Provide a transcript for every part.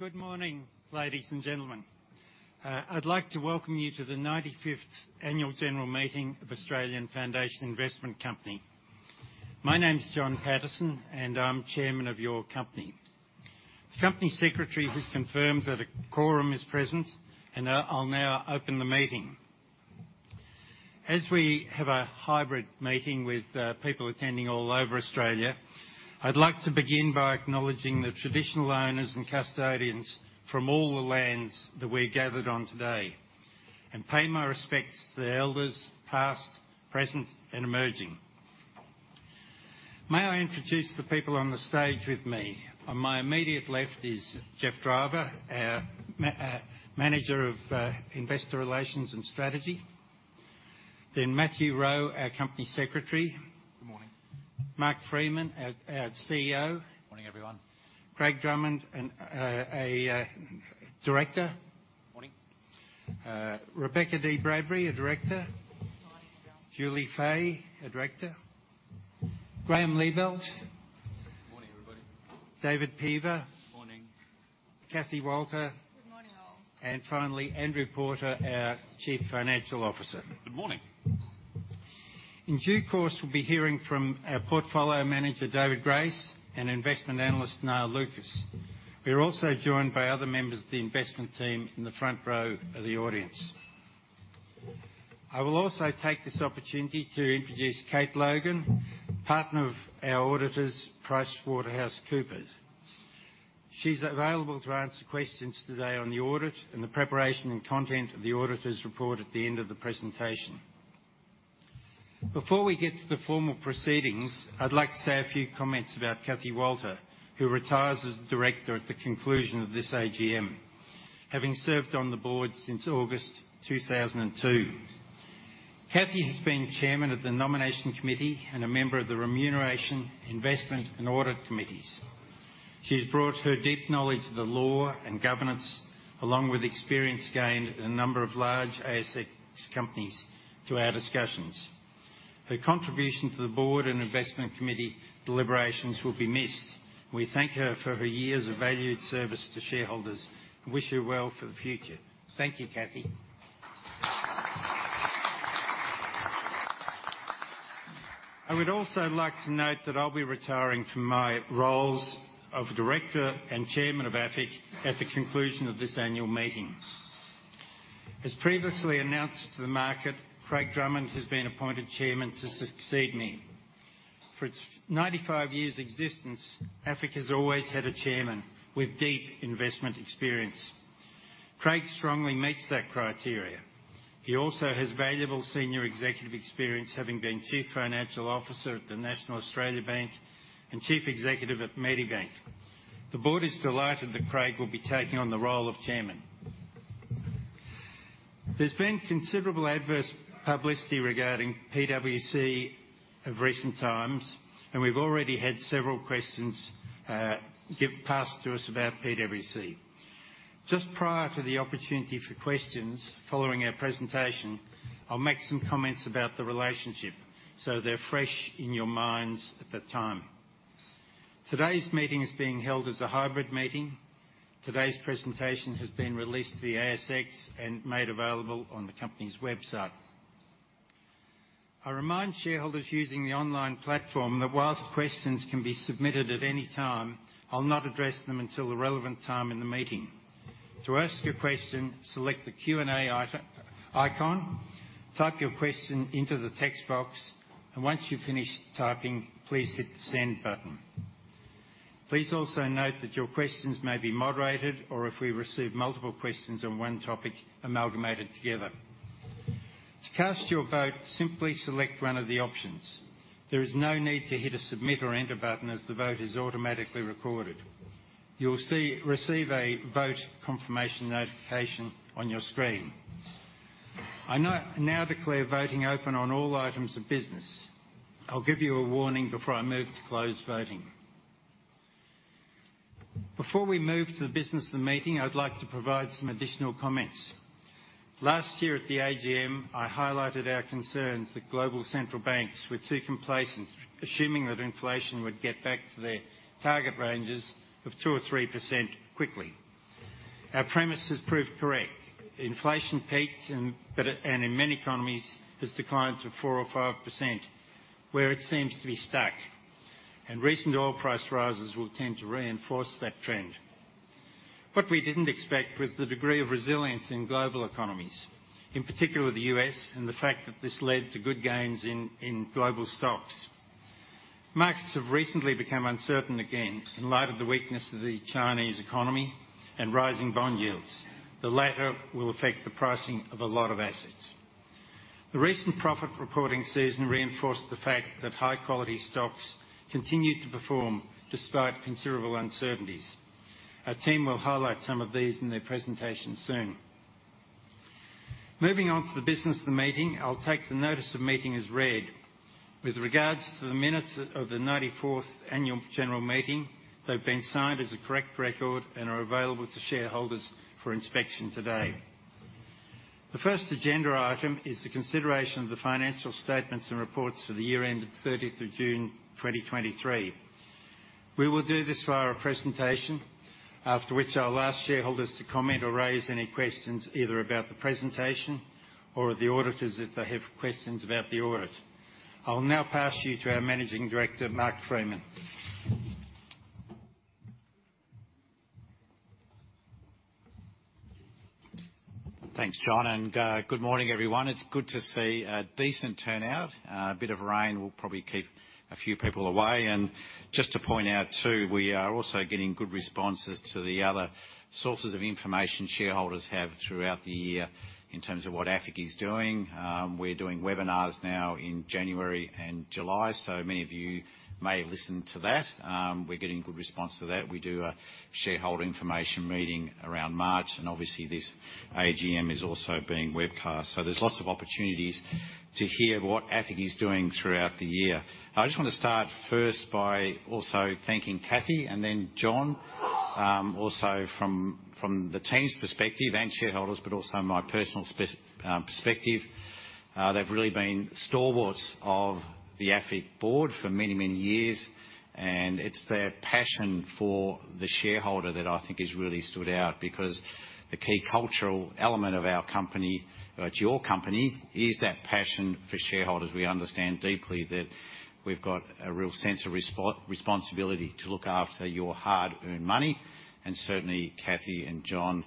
Good morning, ladies and gentlemen. I'd like to welcome you to the 95th annual general meeting of Australian Foundation Investment Company. My name is John Paterson, and I'm chairman of your company. The Company Secretary has confirmed that a quorum is present, and I'll now open the meeting. As we have a hybrid meeting with people attending all over Australia, I'd like to begin by acknowledging the traditional owners and custodians from all the lands that we're gathered on today and pay my respects to the elders, past, present, and emerging. May I introduce the people on the stage with me? On my immediate left is Geoff Driver, our Manager of Investor Relations and Strategy. Then Matthew Rowe, our Company Secretary. Good morning. Mark Freeman, our CEO. Good morning, everyone. Craig Drummond, and a director. Morning. Rebecca Dee-Bradbury, a director. Morning, everyone. Julie Fahey, a director. Graeme Liebelt. Good morning, everybody. David Peever. Morning. Cathy Walter. Good morning, all. Finally, Andrew Porter, our Chief Financial Officer. Good morning. In due course, we'll be hearing from our portfolio manager, David Grace, and investment analyst, Nga Lucas. We are also joined by other members of the investment team in the front row of the audience. I will also take this opportunity to introduce Kate Logan, partner of our auditors, PricewaterhouseCoopers. She's available to answer questions today on the audit and the preparation and content of the auditor's report at the end of the presentation. Before we get to the formal proceedings, I'd like to say a few comments about Cathy Walter, who retires as a director at the conclusion of this AGM, having served on the board since August 2002. Cathy has been Chairman of the Nomination Committee and a member of the Remuneration, Investment, and Audit Committees. She's brought her deep knowledge of the law and governance, along with experience gained in a number of large ASX companies, to our discussions. Her contribution to the board and Investment Committee deliberations will be missed. We thank her for her years of valued service to shareholders and wish her well for the future. Thank you, Cathy. I would also like to note that I'll be retiring from my roles of Director and Chairman of AFIC at the conclusion of this annual meeting. As previously announced to the market, Craig Drummond has been appointed Chairman to succeed me. For its 95 years existence, AFIC has always had a chairman with deep investment experience. Craig strongly meets that criteria. He also has valuable senior executive experience, having been Chief Financial Officer at the National Australia Bank and Chief Executive at Medibank. The board is delighted that Craig will be taking on the role of chairman. There's been considerable adverse publicity regarding PwC of recent times, and we've already had several questions passed to us about PwC. Just prior to the opportunity for questions following our presentation, I'll make some comments about the relationship so they're fresh in your minds at that time. Today's meeting is being held as a hybrid meeting. Today's presentation has been released to the ASX and made available on the company's website. I remind shareholders using the online platform that whilst questions can be submitted at any time, I'll not address them until the relevant time in the meeting. To ask a question, select the Q&A item, icon, type your question into the text box, and once you've finished typing, please hit the send button. Please also note that your questions may be moderated or if we receive multiple questions on one topic, amalgamated together. To cast your vote, simply select one of the options. There is no need to hit a submit or enter button, as the vote is automatically recorded. You'll see a vote confirmation notification on your screen. I now declare voting open on all items of business. I'll give you a warning before I move to close voting. Before we move to the business of the meeting, I'd like to provide some additional comments. Last year at the AGM, I highlighted our concerns that global central banks were too complacent, assuming that inflation would get back to their target ranges of 2% or 3% quickly. Our premise has proved correct. Inflation peaked, but in many economies, has declined to 4% or 5%, where it seems to be stuck, and recent oil price rises will tend to reinforce that trend. What we didn't expect was the degree of resilience in global economies, in particular the U.S., and the fact that this led to good gains in global stocks. Markets have recently become uncertain again in light of the weakness of the Chinese economy and rising bond yields. The latter will affect the pricing of a lot of assets. The recent profit reporting season reinforced the fact that high-quality stocks continued to perform despite considerable uncertainties. Our team will highlight some of these in their presentation soon. Moving on to the business of the meeting, I'll take the notice of meeting as read. With regards to the minutes of the 94th annual general meeting, they've been signed as a correct record and are available to shareholders for inspection today. The first agenda item is the consideration of the financial statements and reports for the year ended June 30th, 2023. We will do this via a presentation, after which I'll ask shareholders to comment or raise any questions, either about the presentation or of the auditors if they have questions about the audit. I will now pass you to our Managing Director, Mark Freeman. Thanks, John, and good morning, everyone. It's good to see a decent turnout. A bit of rain will probably keep a few people away. And just to point out, too, we are also getting good responses to the other sources of information shareholders have throughout the year in terms of what AFIC is doing. We're doing webinars now in January and July, so many of you may have listened to that. We're getting good response to that. We do a shareholder information meeting around March, and obviously, this AGM is also being webcast. So there's lots of opportunities to hear what AFIC is doing throughout the year. I just want to start first by also thanking Cathy and then John, also from the team's perspective and shareholders, but also my personal perspective. They've really been stalwarts of the AFIC board for many, many years, and it's their passion for the shareholder that I think has really stood out, because the key cultural element of our company, or it's your company, is that passion for shareholders. We understand deeply that we've got a real sense of responsibility to look after your hard-earned money, and certainly, Cathy and John,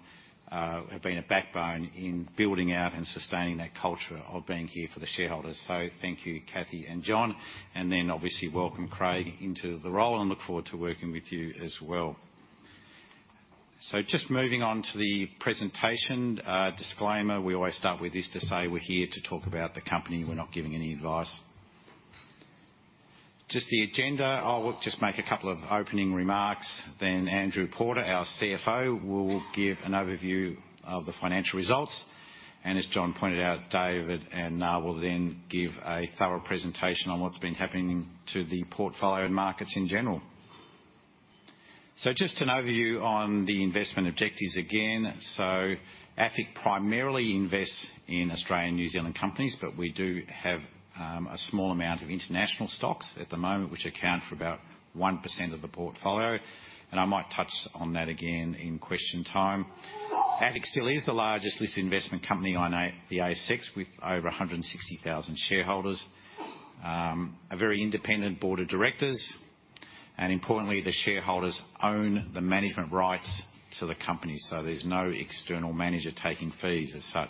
have been a backbone in building out and sustaining that culture of being here for the shareholders. So thank you, Cathy and John. And then obviously, welcome, Craig, into the role, and look forward to working with you as well. So just moving on to the presentation. Disclaimer, we always start with this to say we're here to talk about the company. We're not giving any advice. Just the agenda. I'll just make a couple of opening remarks, then Andrew Porter, our CFO, will give an overview of the financial results. As John pointed out, David and Nga will then give a thorough presentation on what's been happening to the portfolio and markets in general. Just an overview on the investment objectives again. AFIC primarily invests in Australian, New Zealand companies, but we do have a small amount of international stocks at the moment, which account for about 1% of the portfolio, and I might touch on that again in question time. AFIC still is the largest listed investment company on the ASX, with over 160,000 shareholders. A very Independent Board of Directors, and importantly, the shareholders own the management rights to the company, so there's no external manager taking fees as such.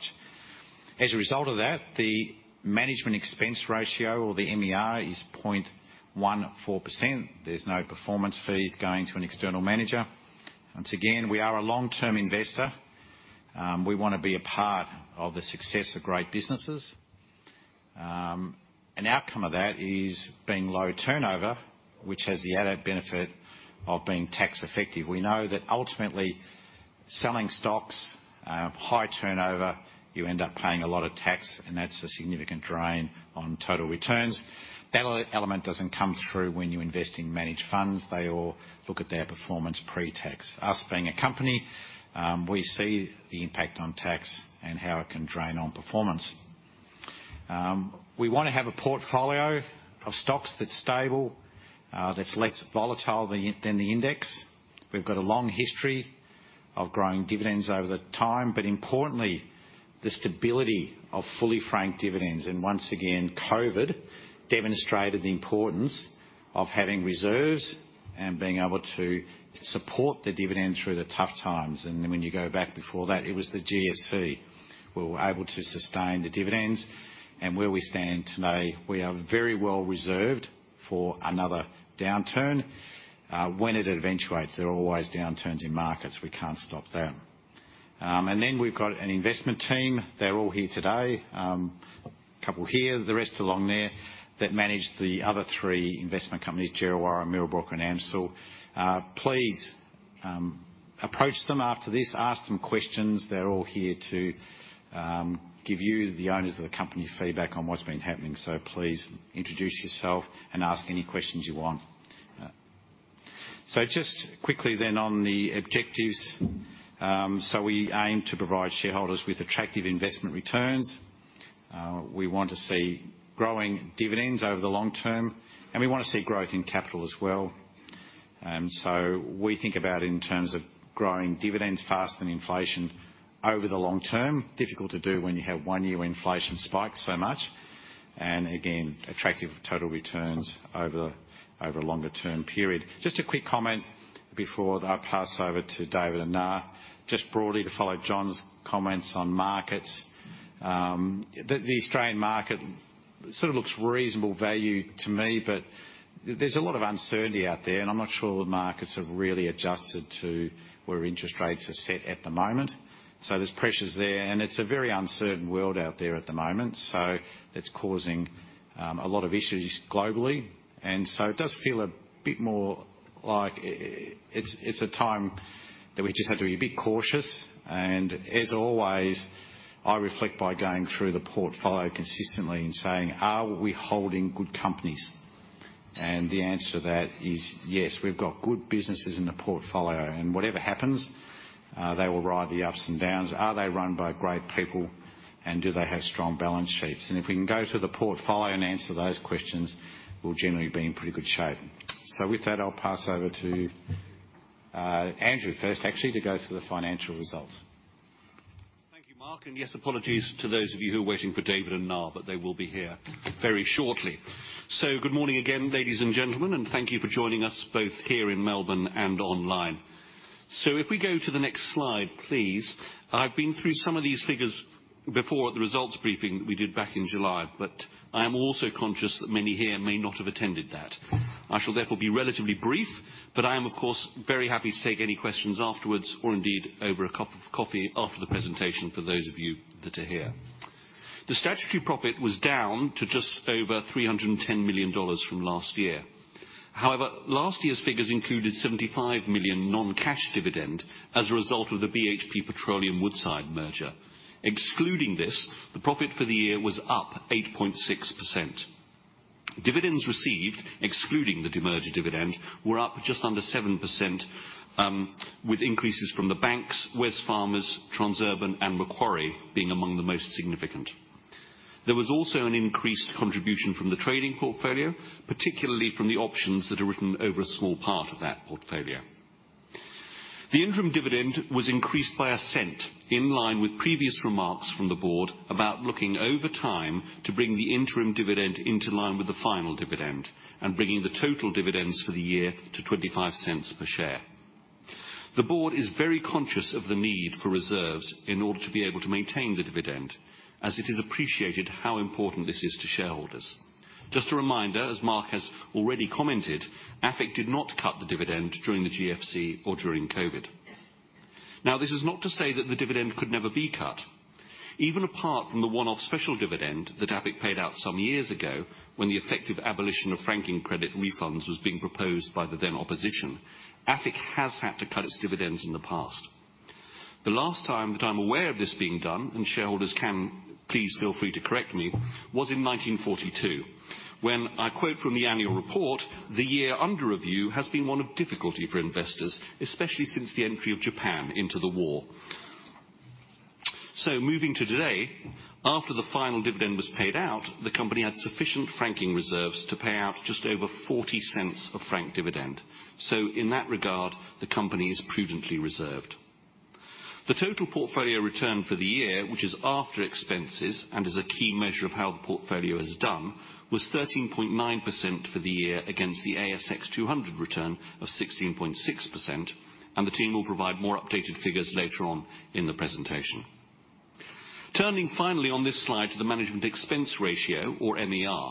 As a result of that, the management expense ratio or the MER, is 0.14%. There's no performance fees going to an external manager. Once again, we are a long-term investor. We want to be a part of the success of great businesses. An outcome of that is being low turnover, which has the added benefit of being tax effective. We know that ultimately, selling stocks, high turnover, you end up paying a lot of tax, and that's a significant drain on total returns. That element doesn't come through when you invest in managed funds. They all look at their performance pre-tax. Us, being a company, we see the impact on tax and how it can drain on performance. We want to have a portfolio of stocks that's stable, that's less volatile than the index. We've got a long history of growing dividends over the time, but importantly, the stability of fully franked dividends. Once again, COVID demonstrated the importance of having reserves and being able to support the dividend through the tough times. Then when you go back before that, it was the GFC, we were able to sustain the dividends. Where we stand today, we are very well reserved for another downturn when it eventuates. There are always downturns in markets. We can't stop that. And then we've got an investment team. They're all here today, a couple here, the rest along there, that manage the other three investment companies, Djerriwarrh, Mirrabooka, and AMCIL. Please approach them after this. Ask them questions. They're all here to give you, the owners of the company, feedback on what's been happening. So please introduce yourself and ask any questions you want. So just quickly then on the objectives. So we aim to provide shareholders with attractive investment returns. We want to see growing dividends over the long term, and we want to see growth in capital as well. So we think about in terms of growing dividends faster than inflation over the long term. Difficult to do when you have one year inflation spike so much. And again, attractive total returns over a longer term period. Just a quick comment before I pass over to David and Nga. Just broadly, to follow John's comments on markets, the Australian market sort of looks reasonable value to me, but there's a lot of uncertainty out there, and I'm not sure the markets have really adjusted to where interest rates are set at the moment. So there's pressures there, and it's a very uncertain world out there at the moment. So that's causing a lot of issues globally, and so it does feel a bit more like it's a time that we just have to be a bit cautious. And as always, I reflect by going through the portfolio consistently and saying: Are we holding good companies? And the answer to that is yes, we've got good businesses in the portfolio, and whatever happens, they will ride the ups and downs. Are they run by great people, and do they have strong balance sheets? And if we can go to the portfolio and answer those questions, we'll generally be in pretty good shape. So with that, I'll pass over to Andrew first, actually, to go through the financial results. Thank you, Mark, and yes, apologies to those of you who are waiting for David and Nga, but they will be here very shortly. So good morning again, ladies and gentlemen, and thank you for joining us, both here in Melbourne and online. So if we go to the next slide, please. I've been through some of these figures before at the results briefing that we did back in July, but I am also conscious that many here may not have attended that. I shall therefore be relatively brief, but I am, of course, very happy to take any questions afterwards or indeed over a cup of coffee after the presentation for those of you that are here. The statutory profit was down to just over 310 million dollars from last year. However, last year's figures included 75 million non-cash dividend as a result of the BHP Petroleum Woodside merger. Excluding this, the profit for the year was up 8.6%. Dividends received, excluding the demerger dividend, were up just under 7%, with increases from the banks, Wesfarmers, Transurban, and Macquarie being among the most significant. There was also an increased contribution from the trading portfolio, particularly from the options that are written over a small part of that portfolio. The interim dividend was increased by AUD 0.01, in line with previous remarks from the board about looking over time to bring the interim dividend into line with the final dividend and bringing the total dividends for the year to 0.25 per share. The board is very conscious of the need for reserves in order to be able to maintain the dividend, as it is appreciated how important this is to shareholders. Just a reminder, as Mark has already commented, AFIC did not cut the dividend during the GFC or during COVID. Now, this is not to say that the dividend could never be cut. Even apart from the one-off special dividend that AFIC paid out some years ago, when the effective abolition of franking credit refunds was being proposed by the then opposition, AFIC has had to cut its dividends in the past. The last time that I'm aware of this being done, and shareholders can please feel free to correct me, was in 1942, when I quote from the annual report, "The year under review has been one of difficulty for investors, especially since the entry of Japan into the war." So moving to today, after the final dividend was paid out, the company had sufficient franking reserves to pay out just over 0.40 franked dividend. So in that regard, the company is prudently reserved. The total portfolio return for the year, which is after expenses and is a key measure of how the portfolio has done, was 13.9% for the year against the ASX 200 return of 16.6%, and the team will provide more updated figures later on in the presentation. Turning finally on this slide to the management expense ratio or MER.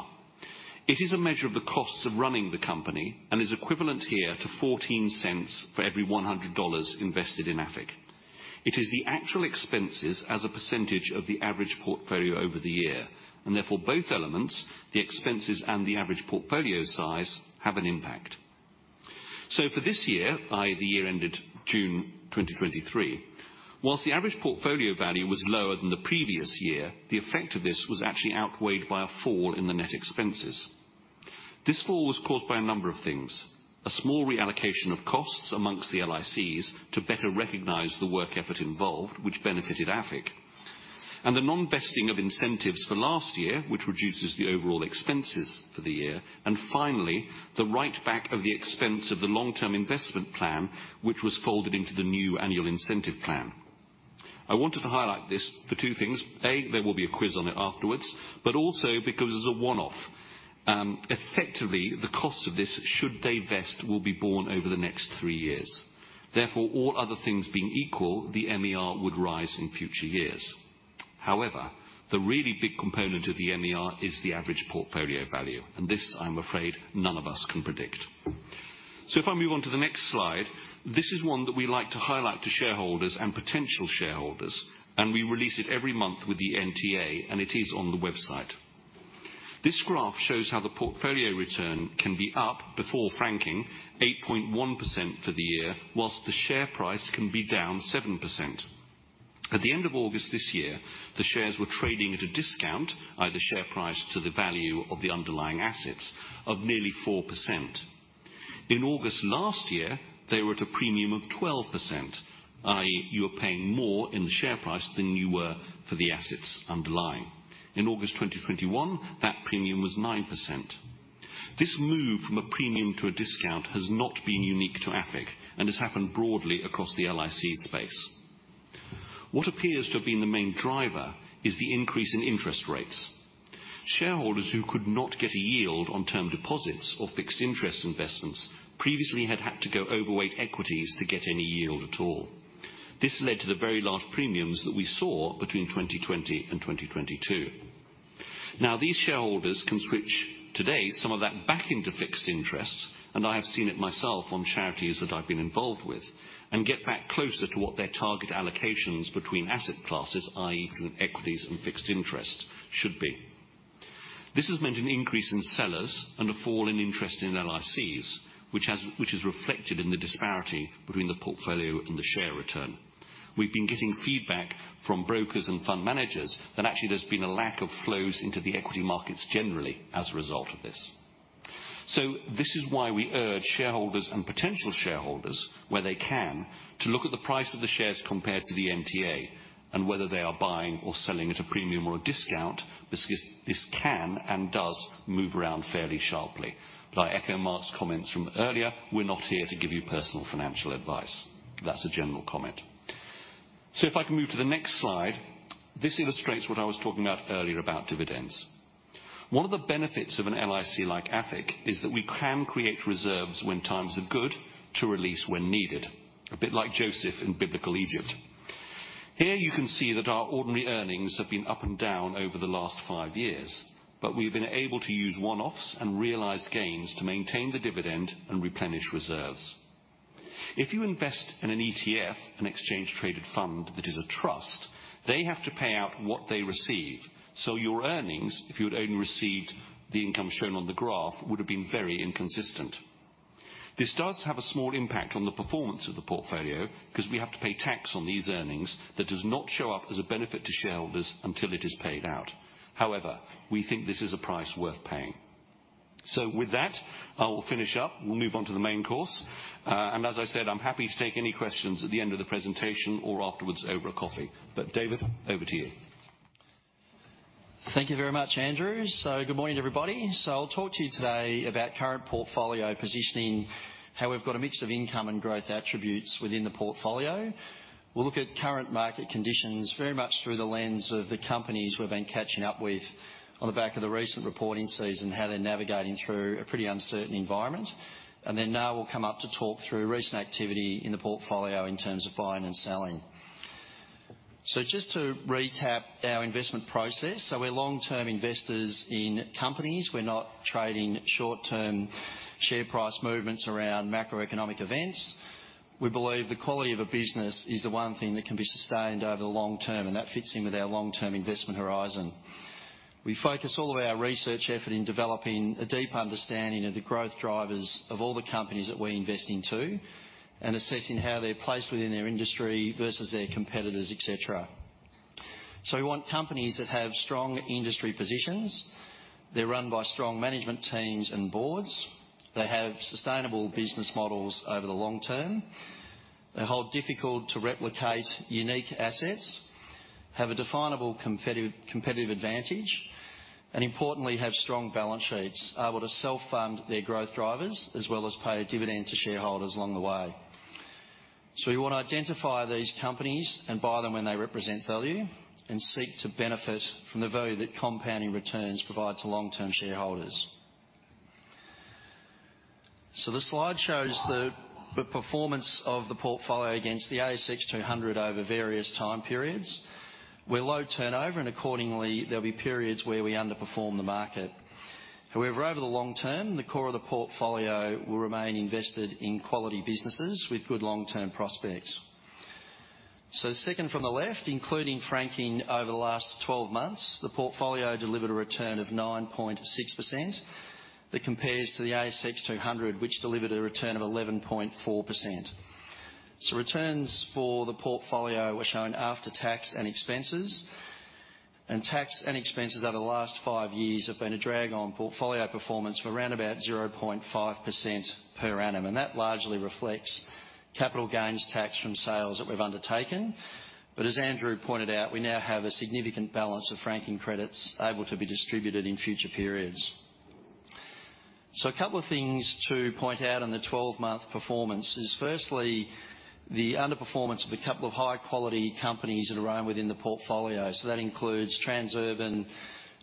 It is a measure of the costs of running the company and is equivalent here to 0.14 for every 100 dollars invested in AFIC. It is the actual expenses as a percentage of the average portfolio over the year, and therefore both elements, the expenses and the average portfolio size, have an impact. So for this year, i.e., the year ended June 2023, whilst the average portfolio value was lower than the previous year, the effect of this was actually outweighed by a fall in the net expenses. This fall was caused by a number of things: a small reallocation of costs among the LICs to better recognize the work effort involved, which benefited AFIC, and the non-vesting of incentives for last year, which reduces the overall expenses for the year, and finally, the write back of the expense of the long-term investment plan, which was folded into the new annual incentive plan. I wanted to highlight this for two things. A, there will be a quiz on it afterwards, but also because it's a one-off. Effectively, the cost of this, should they vest, will be borne over the next three years. Therefore, all other things being equal, the MER would rise in future years. However, the really big component of the MER is the average portfolio value, and this, I'm afraid, none of us can predict. So if I move on to the next slide, this is one that we like to highlight to shareholders and potential shareholders, and we release it every month with the NTA, and it is on the website. This graph shows how the portfolio return can be up before franking, 8.1% for the year, while the share price can be down 7%. At the end of August this year, the shares were trading at a discount, i.e., the share price to the value of the underlying assets, of nearly 4%. In August last year, they were at a premium of 12%, i.e., you were paying more in the share price than you were for the assets underlying. In August 2021, that premium was 9%. This move from a premium to a discount has not been unique to AFIC and has happened broadly across the LIC space. What appears to have been the main driver is the increase in interest rates. Shareholders who could not get a yield on term deposits or fixed interest investments previously had had to go overweight equities to get any yield at all. This led to the very large premiums that we saw between 2020 and 2022. Now, these shareholders can switch today some of that back into fixed interest, and I have seen it myself on charities that I've been involved with, and get back closer to what their target allocations between asset classes, i.e., equities and fixed interest, should be. This has meant an increase in sellers and a fall in interest in LICs, which is reflected in the disparity between the portfolio and the share return. We've been getting feedback from brokers and fund managers that actually there's been a lack of flows into the equity markets generally as a result of this... So this is why we urge shareholders and potential shareholders, where they can, to look at the price of the shares compared to the NTA, and whether they are buying or selling at a premium or a discount. This can and does move around fairly sharply. But I echo Mark's comments from earlier, we're not here to give you personal financial advice. That's a general comment. So if I can move to the next slide, this illustrates what I was talking about earlier about dividends. One of the benefits of an LIC like AFIC is that we can create reserves when times are good to release when needed, a bit like Joseph in biblical Egypt. Here you can see that our ordinary earnings have been up and down over the last five years, but we've been able to use one-offs and realized gains to maintain the dividend and replenish reserves. If you invest in an ETF, an exchange traded fund, that is a trust, they have to pay out what they receive, so your earnings, if you'd only received the income shown on the graph, would have been very inconsistent. This does have a small impact on the performance of the portfolio because we have to pay tax on these earnings that does not show up as a benefit to shareholders until it is paid out. However, we think this is a price worth paying. With that, I will finish up. We'll move on to the main course, and as I said, I'm happy to take any questions at the end of the presentation or afterwards over a coffee. David, over to you. Thank you very much, Andrew. Good morning, everybody. I'll talk to you today about current portfolio positioning, how we've got a mix of income and growth attributes within the portfolio. We'll look at current market conditions very much through the lens of the companies we've been catching up with on the back of the recent reporting season, how they're navigating through a pretty uncertain environment. And then Nga will come up to talk through recent activity in the portfolio in terms of buying and selling. Just to recap our investment process, so we're long-term investors in companies. We're not trading short-term share price movements around macroeconomic events. We believe the quality of a business is the one thing that can be sustained over the long term, and that fits in with our long-term investment horizon. We focus all of our research effort in developing a deep understanding of the growth drivers of all the companies that we invest into, and assessing how they're placed within their industry versus their competitors, et cetera. So we want companies that have strong industry positions. They're run by strong management teams and boards. They have sustainable business models over the long term. They hold difficult-to-replicate, unique assets, have a definable competitive advantage, and importantly, have strong balance sheets, able to self-fund their growth drivers, as well as pay a dividend to shareholders along the way. So we want to identify these companies and buy them when they represent value, and seek to benefit from the value that compounding returns provide to long-term shareholders. So this slide shows the performance of the portfolio against the ASX 200 over various time periods, where low turnover, and accordingly, there'll be periods where we underperform the market. However, over the long term, the core of the portfolio will remain invested in quality businesses with good long-term prospects. So second from the left, including franking over the last 12 months, the portfolio delivered a return of 9.6%. That compares to the ASX 200, which delivered a return of 11.4%. So returns for the portfolio were shown after tax and expenses, and tax and expenses over the last five years have been a drag on portfolio performance for around about 0.5% per annum. And that largely reflects capital gains tax from sales that we've undertaken. But as Andrew pointed out, we now have a significant balance of franking credits able to be distributed in future periods. So a couple of things to point out on the 12-month performance is firstly, the underperformance of a couple of high-quality companies that are owned within the portfolio. So that includes Transurban,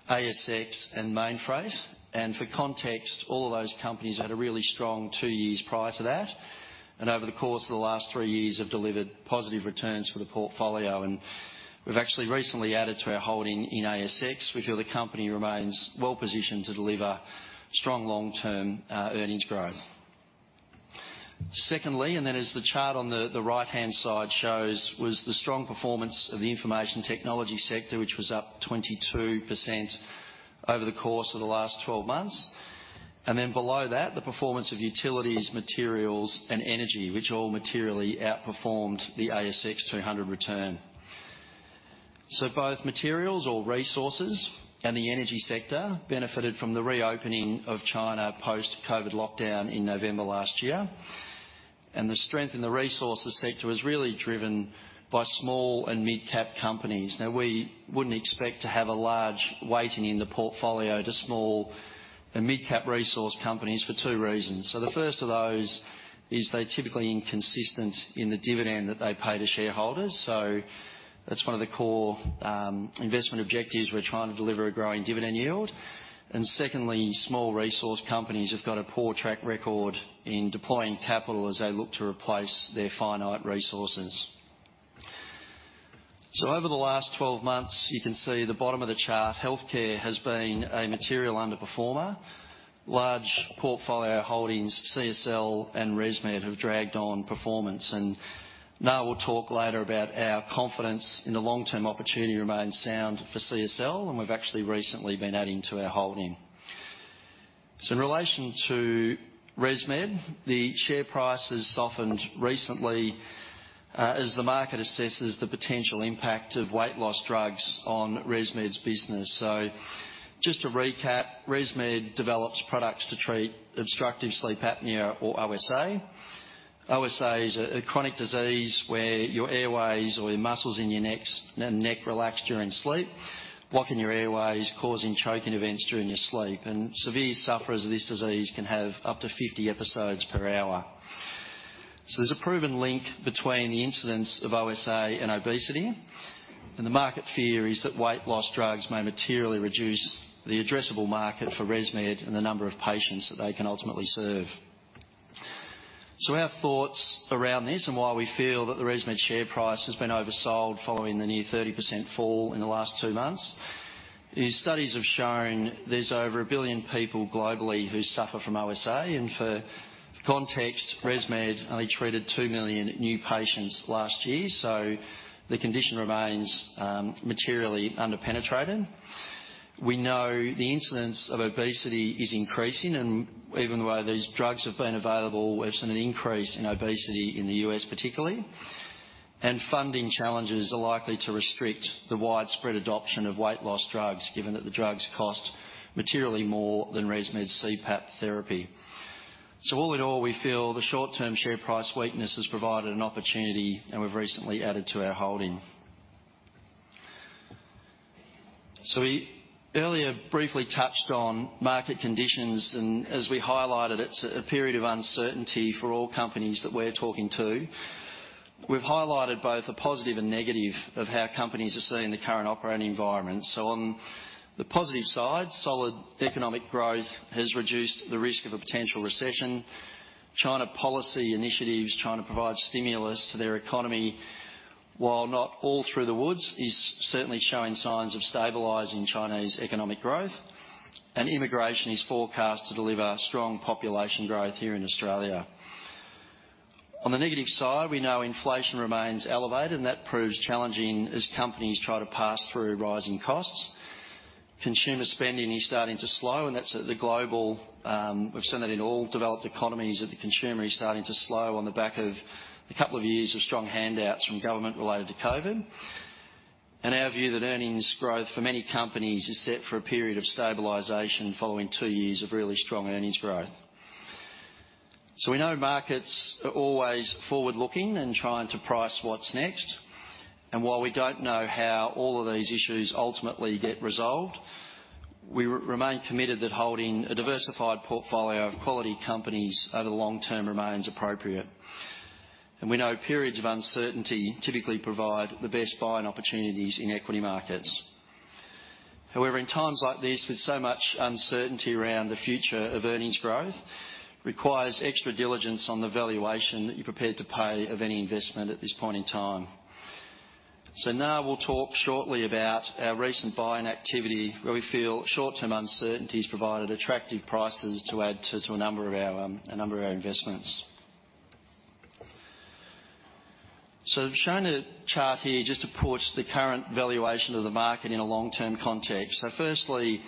ASX, and Mainfreight. And for context, all of those companies had a really strong two years prior to that, and over the course of the last three years, have delivered positive returns for the portfolio, and we've actually recently added to our holding in ASX. We feel the company remains well positioned to deliver strong long-term earnings growth. Secondly, and then as the chart on the right-hand side shows, was the strong performance of the information technology sector, which was up 22% over the course of the last 12 months. Then below that, the performance of utilities, materials, and energy, which all materially outperformed the ASX 200 return. So both materials or resources and the energy sector benefited from the reopening of China post-COVID lockdown in November last year. And the strength in the resources sector was really driven by small and mid-cap companies. Now, we wouldn't expect to have a large weighting in the portfolio to small and mid-cap resource companies for two reasons. So the first of those is they're typically inconsistent in the dividend that they pay to shareholders. So that's one of the core investment objectives. We're trying to deliver a growing dividend yield. And secondly, small resource companies have got a poor track record in deploying capital as they look to replace their finite resources. So over the last 12 months, you can see the bottom of the chart, healthcare has been a material underperformer. Large portfolio holdings, CSL and ResMed, have dragged on performance, and Nga will talk later about our confidence in the long-term opportunity remains sound for CSL, and we've actually recently been adding to our holding. So in relation to ResMed, the share price has softened recently, as the market assesses the potential impact of weight loss drugs on ResMed's business. So just to recap, ResMed develops products to treat obstructive sleep apnea or OSA. OSA is a chronic disease where your airways or your muscles in your necks, neck relax during sleep, blocking your airways, causing choking events during your sleep, and severe sufferers of this disease can have up to 50 episodes per hour. So there's a proven link between the incidence of OSA and obesity, and the market fear is that weight loss drugs may materially reduce the addressable market for ResMed and the number of patients that they can ultimately serve. So our thoughts around this, and why we feel that the ResMed share price has been oversold following the near 30% fall in the last two months, is studies have shown there's over 1 billion people globally who suffer from OSA, and for context, ResMed only treated 2 million new patients last year, so the condition remains materially under-penetrated. We know the incidence of obesity is increasing, and even though these drugs have been available, we've seen an increase in obesity in the U.S. particularly. Funding challenges are likely to restrict the widespread adoption of weight loss drugs, given that the drugs cost materially more than ResMed's CPAP therapy. So all in all, we feel the short-term share price weakness has provided an opportunity, and we've recently added to our holding. So we earlier briefly touched on market conditions, and as we highlighted, it's a period of uncertainty for all companies that we're talking to. We've highlighted both the positive and negative of how companies are seeing the current operating environment. So on the positive side, solid economic growth has reduced the risk of a potential recession. Chinese policy initiatives provide stimulus to their economy, while not out of the woods, is certainly showing signs of stabilizing Chinese economic growth. Immigration is forecast to deliver strong population growth here in Australia. On the negative side, we know inflation remains elevated, and that proves challenging as companies try to pass through rising costs. Consumer spending is starting to slow, and that's at the global, we've seen that in all developed economies, that the consumer is starting to slow on the back of a couple of years of strong handouts from government related to COVID. And our view that earnings growth for many companies is set for a period of stabilization following two years of really strong earnings growth. So we know markets are always forward-looking and trying to price what's next, and while we don't know how all of these issues ultimately get resolved, we remain committed that holding a diversified portfolio of quality companies over the long term remains appropriate. And we know periods of uncertainty typically provide the best buying opportunities in equity markets. However, in times like these, with so much uncertainty around the future of earnings growth, requires extra diligence on the valuation that you're prepared to pay of any investment at this point in time. So now we'll talk shortly about our recent buying activity, where we feel short-term uncertainties provided attractive prices to add to a number of our investments. So I've shown a chart here just to put the current valuation of the market in a long-term context. So firstly,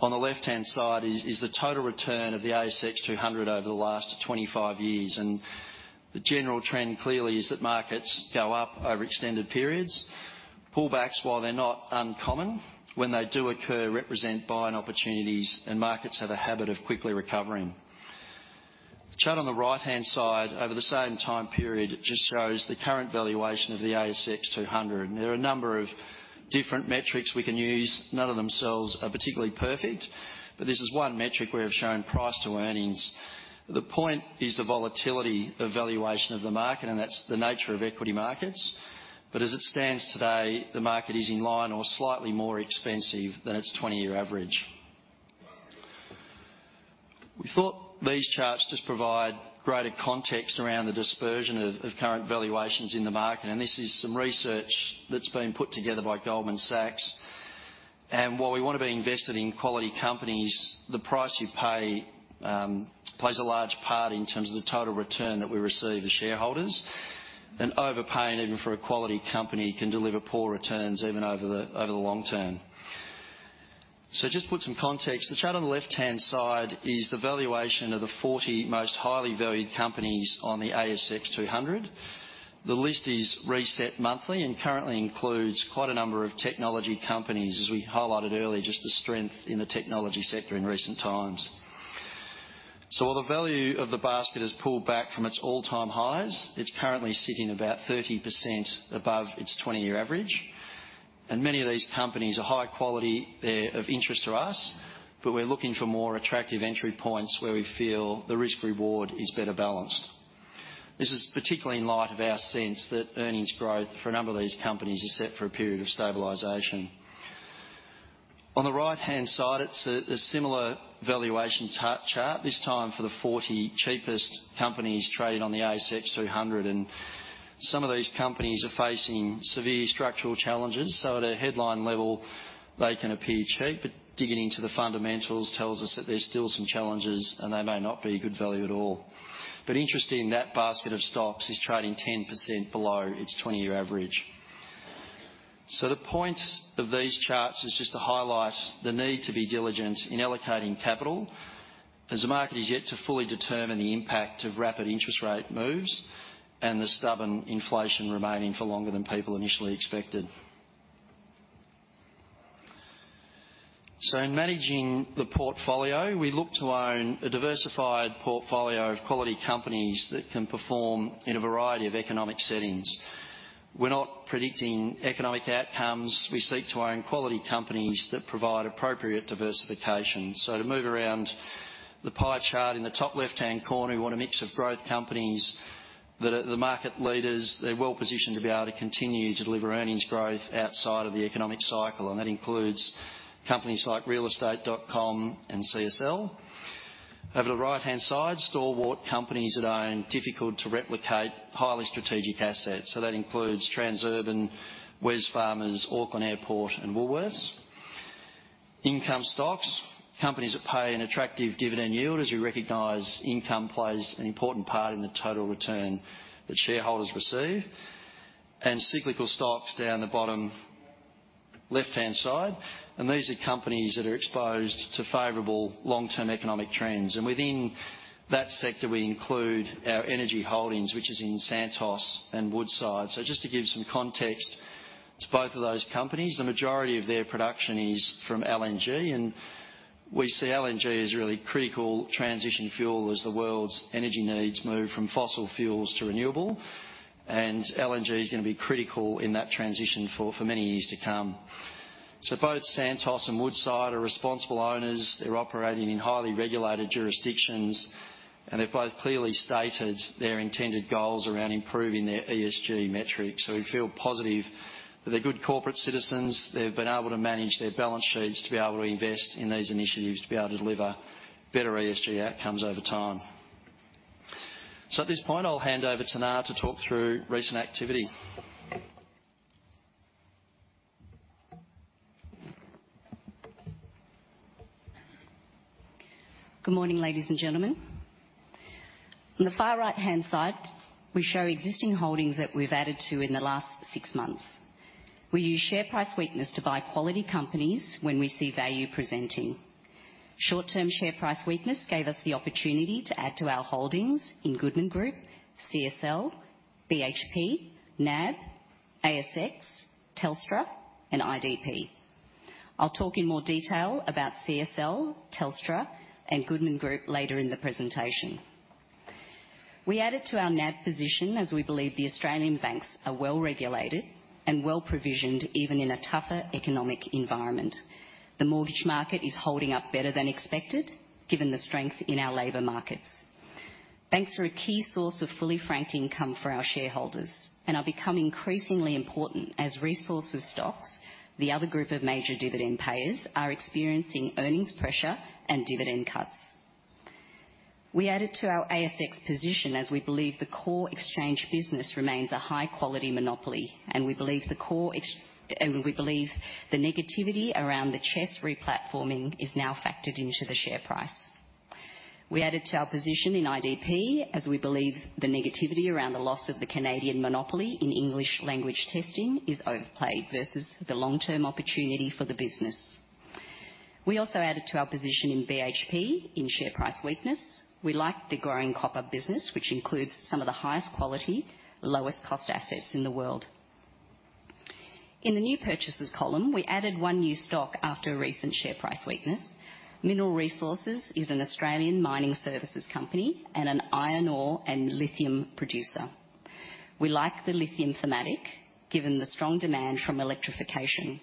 on the left-hand side is the total return of the ASX 200 over the last 25 years, and the general trend clearly is that markets go up over extended periods. Pullbacks, while they're not uncommon, when they do occur, represent buying opportunities, and markets have a habit of quickly recovering. The chart on the right-hand side over the same time period just shows the current valuation of the ASX 200. There are a number of different metrics we can use. None of themselves are particularly perfect, but this is one metric where we've shown price to earnings. The point is the volatility of valuation of the market, and that's the nature of equity markets. But as it stands today, the market is in line or slightly more expensive than its 20-year average. We thought these charts just provide greater context around the dispersion of current valuations in the market, and this is some research that's been put together by Goldman Sachs. While we want to be invested in quality companies, the price you pay plays a large part in terms of the total return that we receive as shareholders. Overpaying, even for a quality company, can deliver poor returns even over the long term. Just to put some context, the chart on the left-hand side is the valuation of the 40 most highly valued companies on the ASX 200. The list is reset monthly and currently includes quite a number of technology companies, as we highlighted earlier, just the strength in the technology sector in recent times. While the value of the basket has pulled back from its all-time highs, it's currently sitting about 30% above its 20-year average, and many of these companies are high quality. They're of interest to us, but we're looking for more attractive entry points where we feel the risk-reward is better balanced. This is particularly in light of our sense that earnings growth for a number of these companies is set for a period of stabilization. On the right-hand side, it's a similar valuation chart, this time for the 40 cheapest companies trading on the ASX 200, and some of these companies are facing severe structural challenges. So at a headline level, they can appear cheap, but digging into the fundamentals tells us that there's still some challenges and they may not be good value at all. But interestingly, that basket of stocks is trading 10% below its 20-year average.... So the point of these charts is just to highlight the need to be diligent in allocating capital, as the market is yet to fully determine the impact of rapid interest rate moves and the stubborn inflation remaining for longer than people initially expected. So in managing the portfolio, we look to own a diversified portfolio of quality companies that can perform in a variety of economic settings. We're not predicting economic outcomes. We seek to own quality companies that provide appropriate diversification. So to move around the pie chart, in the top left-hand corner, we want a mix of growth companies that are the market leaders. They're well-positioned to be able to continue to deliver earnings growth outside of the economic cycle, and that includes companies like realestate.com.au and CSL. Over the right-hand side, stalwart companies that own difficult to replicate highly strategic assets. So that includes Transurban, Wesfarmers, Auckland Airport, and Woolworths. Income stocks, companies that pay an attractive dividend yield, as we recognize income plays an important part in the total return that shareholders receive. And cyclical stocks down the bottom left-hand side, and these are companies that are exposed to favorable long-term economic trends. And within that sector, we include our energy holdings, which is in Santos and Woodside. So just to give some context to both of those companies, the majority of their production is from LNG, and we see LNG as really critical transition fuel as the world's energy needs move from fossil fuels to renewable, and LNG is gonna be critical in that transition for many years to come. So both Santos and Woodside are responsible owners. They're operating in highly regulated jurisdictions, and they've both clearly stated their intended goals around improving their ESG metrics. So we feel positive that they're good corporate citizens. They've been able to manage their balance sheets to be able to invest in these initiatives, to be able to deliver better ESG outcomes over time. So at this point, I'll hand over to Nga to talk through recent activity. Good morning, ladies and gentlemen. On the far right-hand side, we show existing holdings that we've added to in the last six months. We use share price weakness to buy quality companies when we see value presenting. Short-term share price weakness gave us the opportunity to add to our holdings in Goodman Group, CSL, BHP, NAB, ASX, Telstra, and IDP. I'll talk in more detail about CSL, Telstra, and Goodman Group later in the presentation. We added to our NAB position, as we believe the Australian banks are well-regulated and well-provisioned, even in a tougher economic environment. The mortgage market is holding up better than expected, given the strength in our labor markets. Banks are a key source of fully franked income for our shareholders and are becoming increasingly important as resources stocks, the other group of major dividend payers, are experiencing earnings pressure and dividend cuts. We added to our ASX position as we believe the core exchange business remains a high-quality monopoly, and we believe the negativity around the CHESS re-platforming is now factored into the share price. We added to our position in IDP as we believe the negativity around the loss of the Canadian monopoly in English language testing is overplayed versus the long-term opportunity for the business. We also added to our position in BHP in share price weakness. We like the growing copper business, which includes some of the highest quality, lowest cost assets in the world. In the new purchases column, we added one new stock after a recent share price weakness. Mineral Resources is an Australian mining services company and an iron ore and lithium producer. We like the lithium thematic, given the strong demand from electrification. We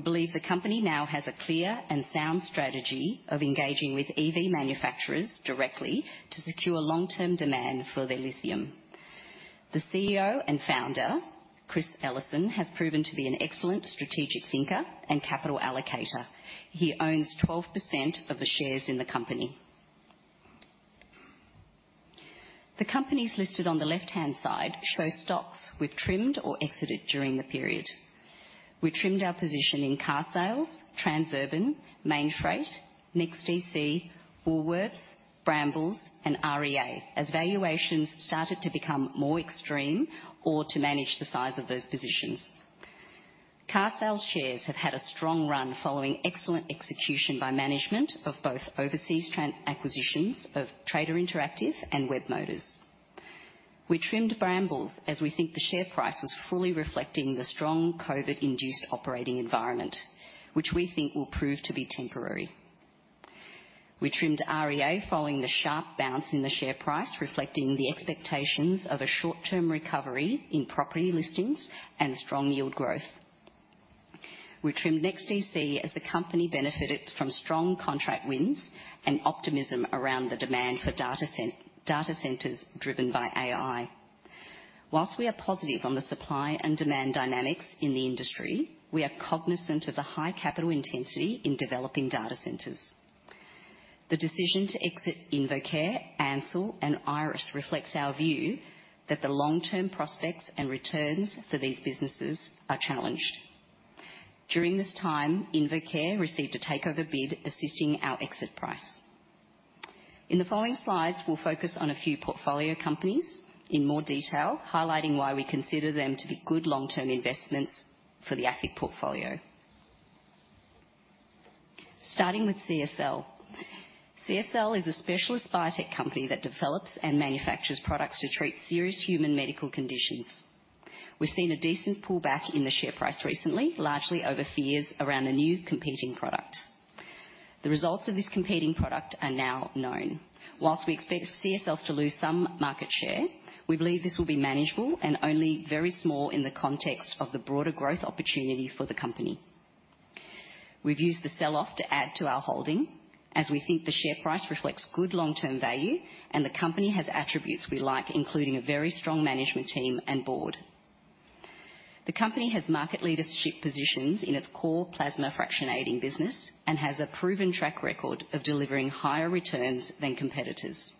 believe the company now has a clear and sound strategy of engaging with EV manufacturers directly to secure long-term demand for their lithium. The CEO and founder, Chris Ellison, has proven to be an excellent strategic thinker and capital allocator. He owns 12% of the shares in the company. The companies listed on the left-hand side show stocks we've trimmed or exited during the period. We trimmed our position in Carsales, Transurban, Mainfreight, NEXTDC, Woolworths, Brambles, and REA as valuations started to become more extreme or to manage the size of those positions. Carsales.com shares have had a strong run following excellent execution by management of both overseas acquisitions of Trader Interactive and Webmotors. We trimmed Brambles, as we think the share price was fully reflecting the strong COVID-induced operating environment, which we think will prove to be temporary. We trimmed REA following the sharp bounce in the share price, reflecting the expectations of a short-term recovery in property listings and strong yield growth. We trimmed NEXTDC as the company benefited from strong contract wins and optimism around the demand for data centers driven by AI. While we are positive on the supply and demand dynamics in the industry, we are cognizant of the high capital intensity in developing data centers. The decision to exit InvoCare, Ansell, and IRESS reflects our view that the long-term prospects and returns for these businesses are challenged. During this time, InvoCare received a takeover bid, assisting our exit price. In the following slides, we'll focus on a few portfolio companies in more detail, highlighting why we consider them to be good long-term investments for the AFIC portfolio. Starting with CSL. CSL is a specialist biotech company that develops and manufactures products to treat serious human medical conditions. We've seen a decent pullback in the share price recently, largely over fears around a new competing product. The results of this competing product are now known. While we expect CSL to lose some market share, we believe this will be manageable and only very small in the context of the broader growth opportunity for the company. We've used the sell-off to add to our holding, as we think the share price reflects good long-term value, and the company has attributes we like, including a very strong management team and board. The company has market leadership positions in its core plasma fractionating business and has a proven track record of delivering higher returns than competitors.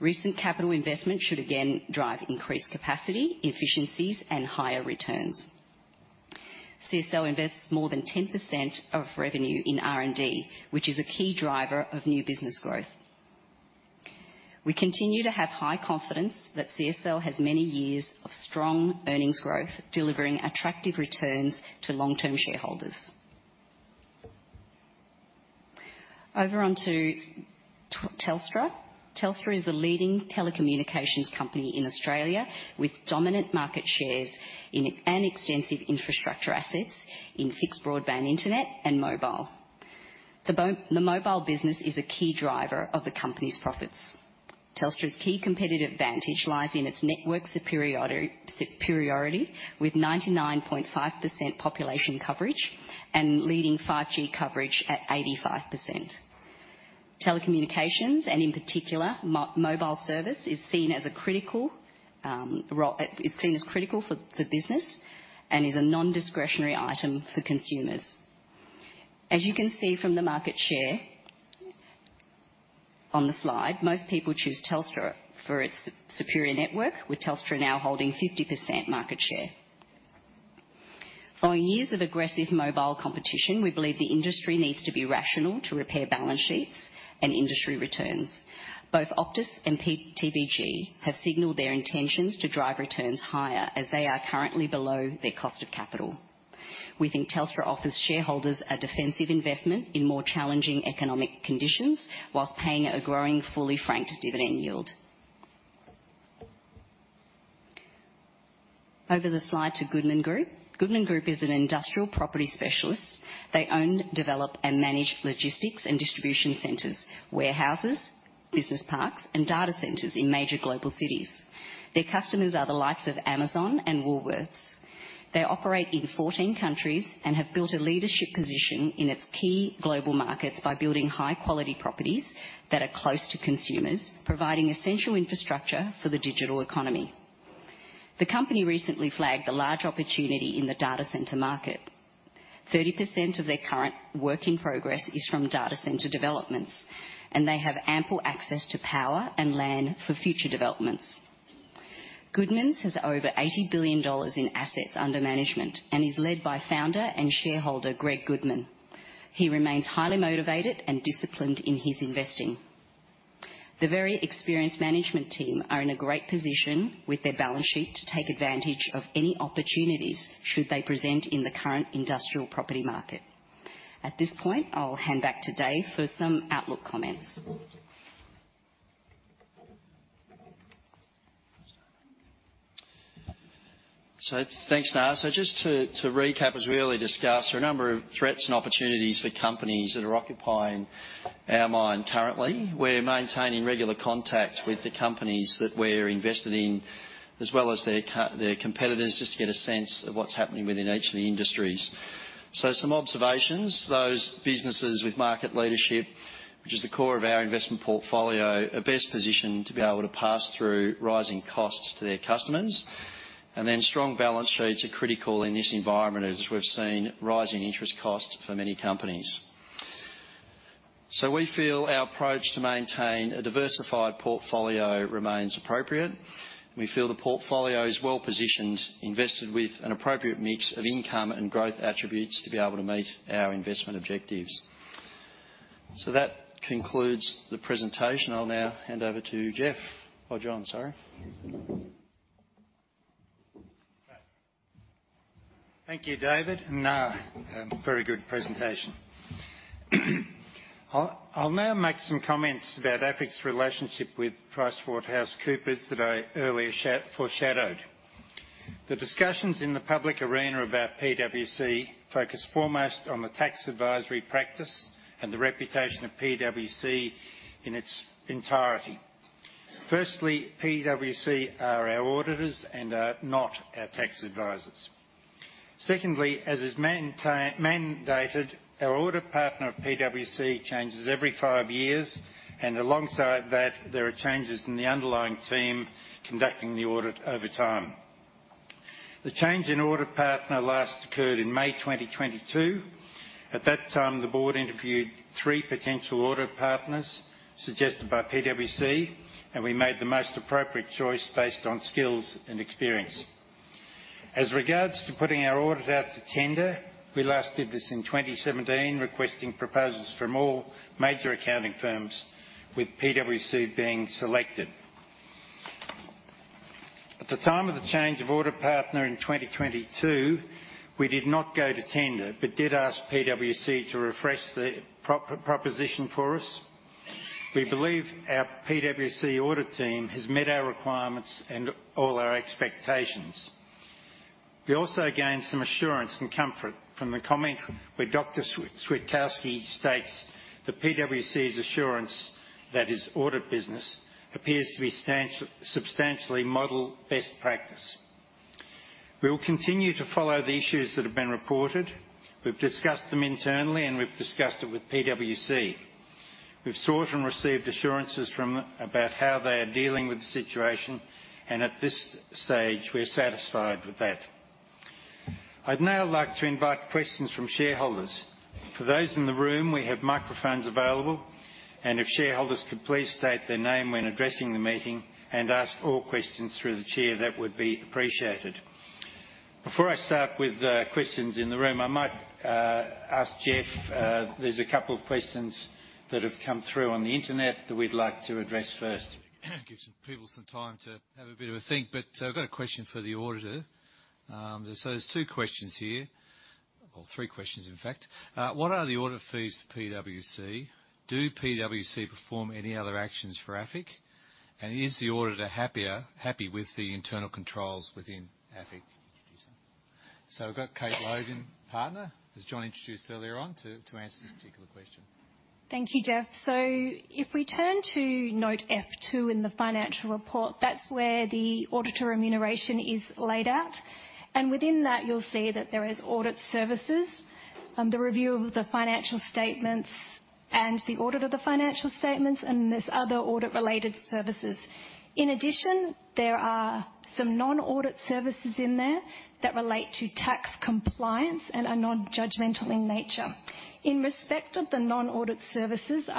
Recent capital investment should again drive increased capacity, efficiencies, and higher returns. CSL invests more than 10% of revenue in R&D, which is a key driver of new business growth. We continue to have high confidence that CSL has many years of strong earnings growth, delivering attractive returns to long-term shareholders. Over onto Telstra. Telstra is a leading telecommunications company in Australia with dominant market shares in, and extensive infrastructure assets in fixed broadband internet and mobile. The mobile business is a key driver of the company's profits. Telstra's key competitive advantage lies in its network superiority, with 99.5% population coverage and leading 5G coverage at 85%. Telecommunications, and in particular, mobile service, is seen as critical for business and is a non-discretionary item for consumers. As you can see from the market share on the slide, most people choose Telstra for its superior network, with Telstra now holding 50% market share. Following years of aggressive mobile competition, we believe the industry needs to be rational to repair balance sheets and industry returns. Both Optus and TPG have signaled their intentions to drive returns higher as they are currently below their cost of capital. We think Telstra offers shareholders a defensive investment in more challenging economic conditions, while paying a growing, fully franked dividend yield. Over the slide to Goodman Group. Goodman Group is an industrial property specialist. They own, develop, and manage logistics and distribution centers, warehouses, business parks, and data centers in major global cities. Their customers are the likes of Amazon and Woolworths. They operate in 14 countries and have built a leadership position in its key global markets by building high-quality properties that are close to consumers, providing essential infrastructure for the digital economy. The company recently flagged a large opportunity in the data center market. 30% of their current work in progress is from data center developments, and they have ample access to power and land for future developments. Goodman's has over 80 billion dollars in assets under management and is led by founder and shareholder, Greg Goodman. He remains highly motivated and disciplined in his investing. The very experienced management team are in a great position with their balance sheet to take advantage of any opportunities should they present in the current industrial property market. At this point, I'll hand back to Dave for some outlook comments. So thanks, Nga. So just to recap, as we earlier discussed, there are a number of threats and opportunities for companies that are occupying our mind currently. We're maintaining regular contact with the companies that we're invested in, as well as their competitors, just to get a sense of what's happening within each of the industries. So some observations, those businesses with market leadership, which is the core of our investment portfolio, are best positioned to be able to pass through rising costs to their customers. And then strong balance sheets are critical in this environment, as we've seen rising interest costs for many companies. So we feel our approach to maintain a diversified portfolio remains appropriate. We feel the portfolio is well positioned, invested with an appropriate mix of income and growth attributes to be able to meet our investment objectives. So that concludes the presentation. I'll now hand over to Geoff. Oh, John, sorry. Thank you, David, and Nga, very good presentation. I'll now make some comments about AFIC's relationship with PricewaterhouseCoopers that I earlier foreshadowed. The discussions in the public arena about PwC focus foremost on the tax advisory practice and the reputation of PwC in its entirety. Firstly, PwC are our auditors and are not our tax advisors. Secondly, as is mandated, our audit partner of PwC changes every five years, and alongside that, there are changes in the underlying team conducting the audit over time. The change in audit partner last occurred in May 2022. At that time, the board interviewed three potential audit partners suggested by PwC, and we made the most appropriate choice based on skills and experience.... As regards to putting our audit out to tender, we last did this in 2017, requesting proposals from all major accounting firms, with PwC being selected. At the time of the change of audit partner in 2022, we did not go to tender, but did ask PwC to refresh the proposition for us. We believe our PwC audit team has met our requirements and all our expectations. We also gained some assurance and comfort from the comment where Dr. Switkowski states that PwC's assurance, that is audit business, appears to be substantially model best practice. We will continue to follow the issues that have been reported. We've discussed them internally, and we've discussed it with PwC. We've sought and received assurances from them about how they are dealing with the situation, and at this stage, we're satisfied with that. I'd now like to invite questions from shareholders. For those in the room, we have microphones available, and if shareholders could please state their name when addressing the meeting and ask all questions through the chair, that would be appreciated. Before I start with questions in the room, I might ask Geoff, there's a couple of questions that have come through on the Internet that we'd like to address first. Give some people some time to have a bit of a think, but I've got a question for the auditor. So there's two questions here, or three questions, in fact. What are the audit fees to PwC? Do PwC perform any other actions for AFIC? And is the auditor happier, happy with the internal controls within AFIC? So we've got Kate Logan, partner, as John introduced earlier on, to answer this particular question. Thank you, Geoff. So if we turn to note F2 in the financial report, that's where the auditor remuneration is laid out, and within that, you'll see that there is audit services, the review of the financial statements and the audit of the financial statements, and there's other audit-related services. In addition, there are some non-audit services in there that relate to tax compliance and are non-judgmental in nature. In respect of the non-audit services,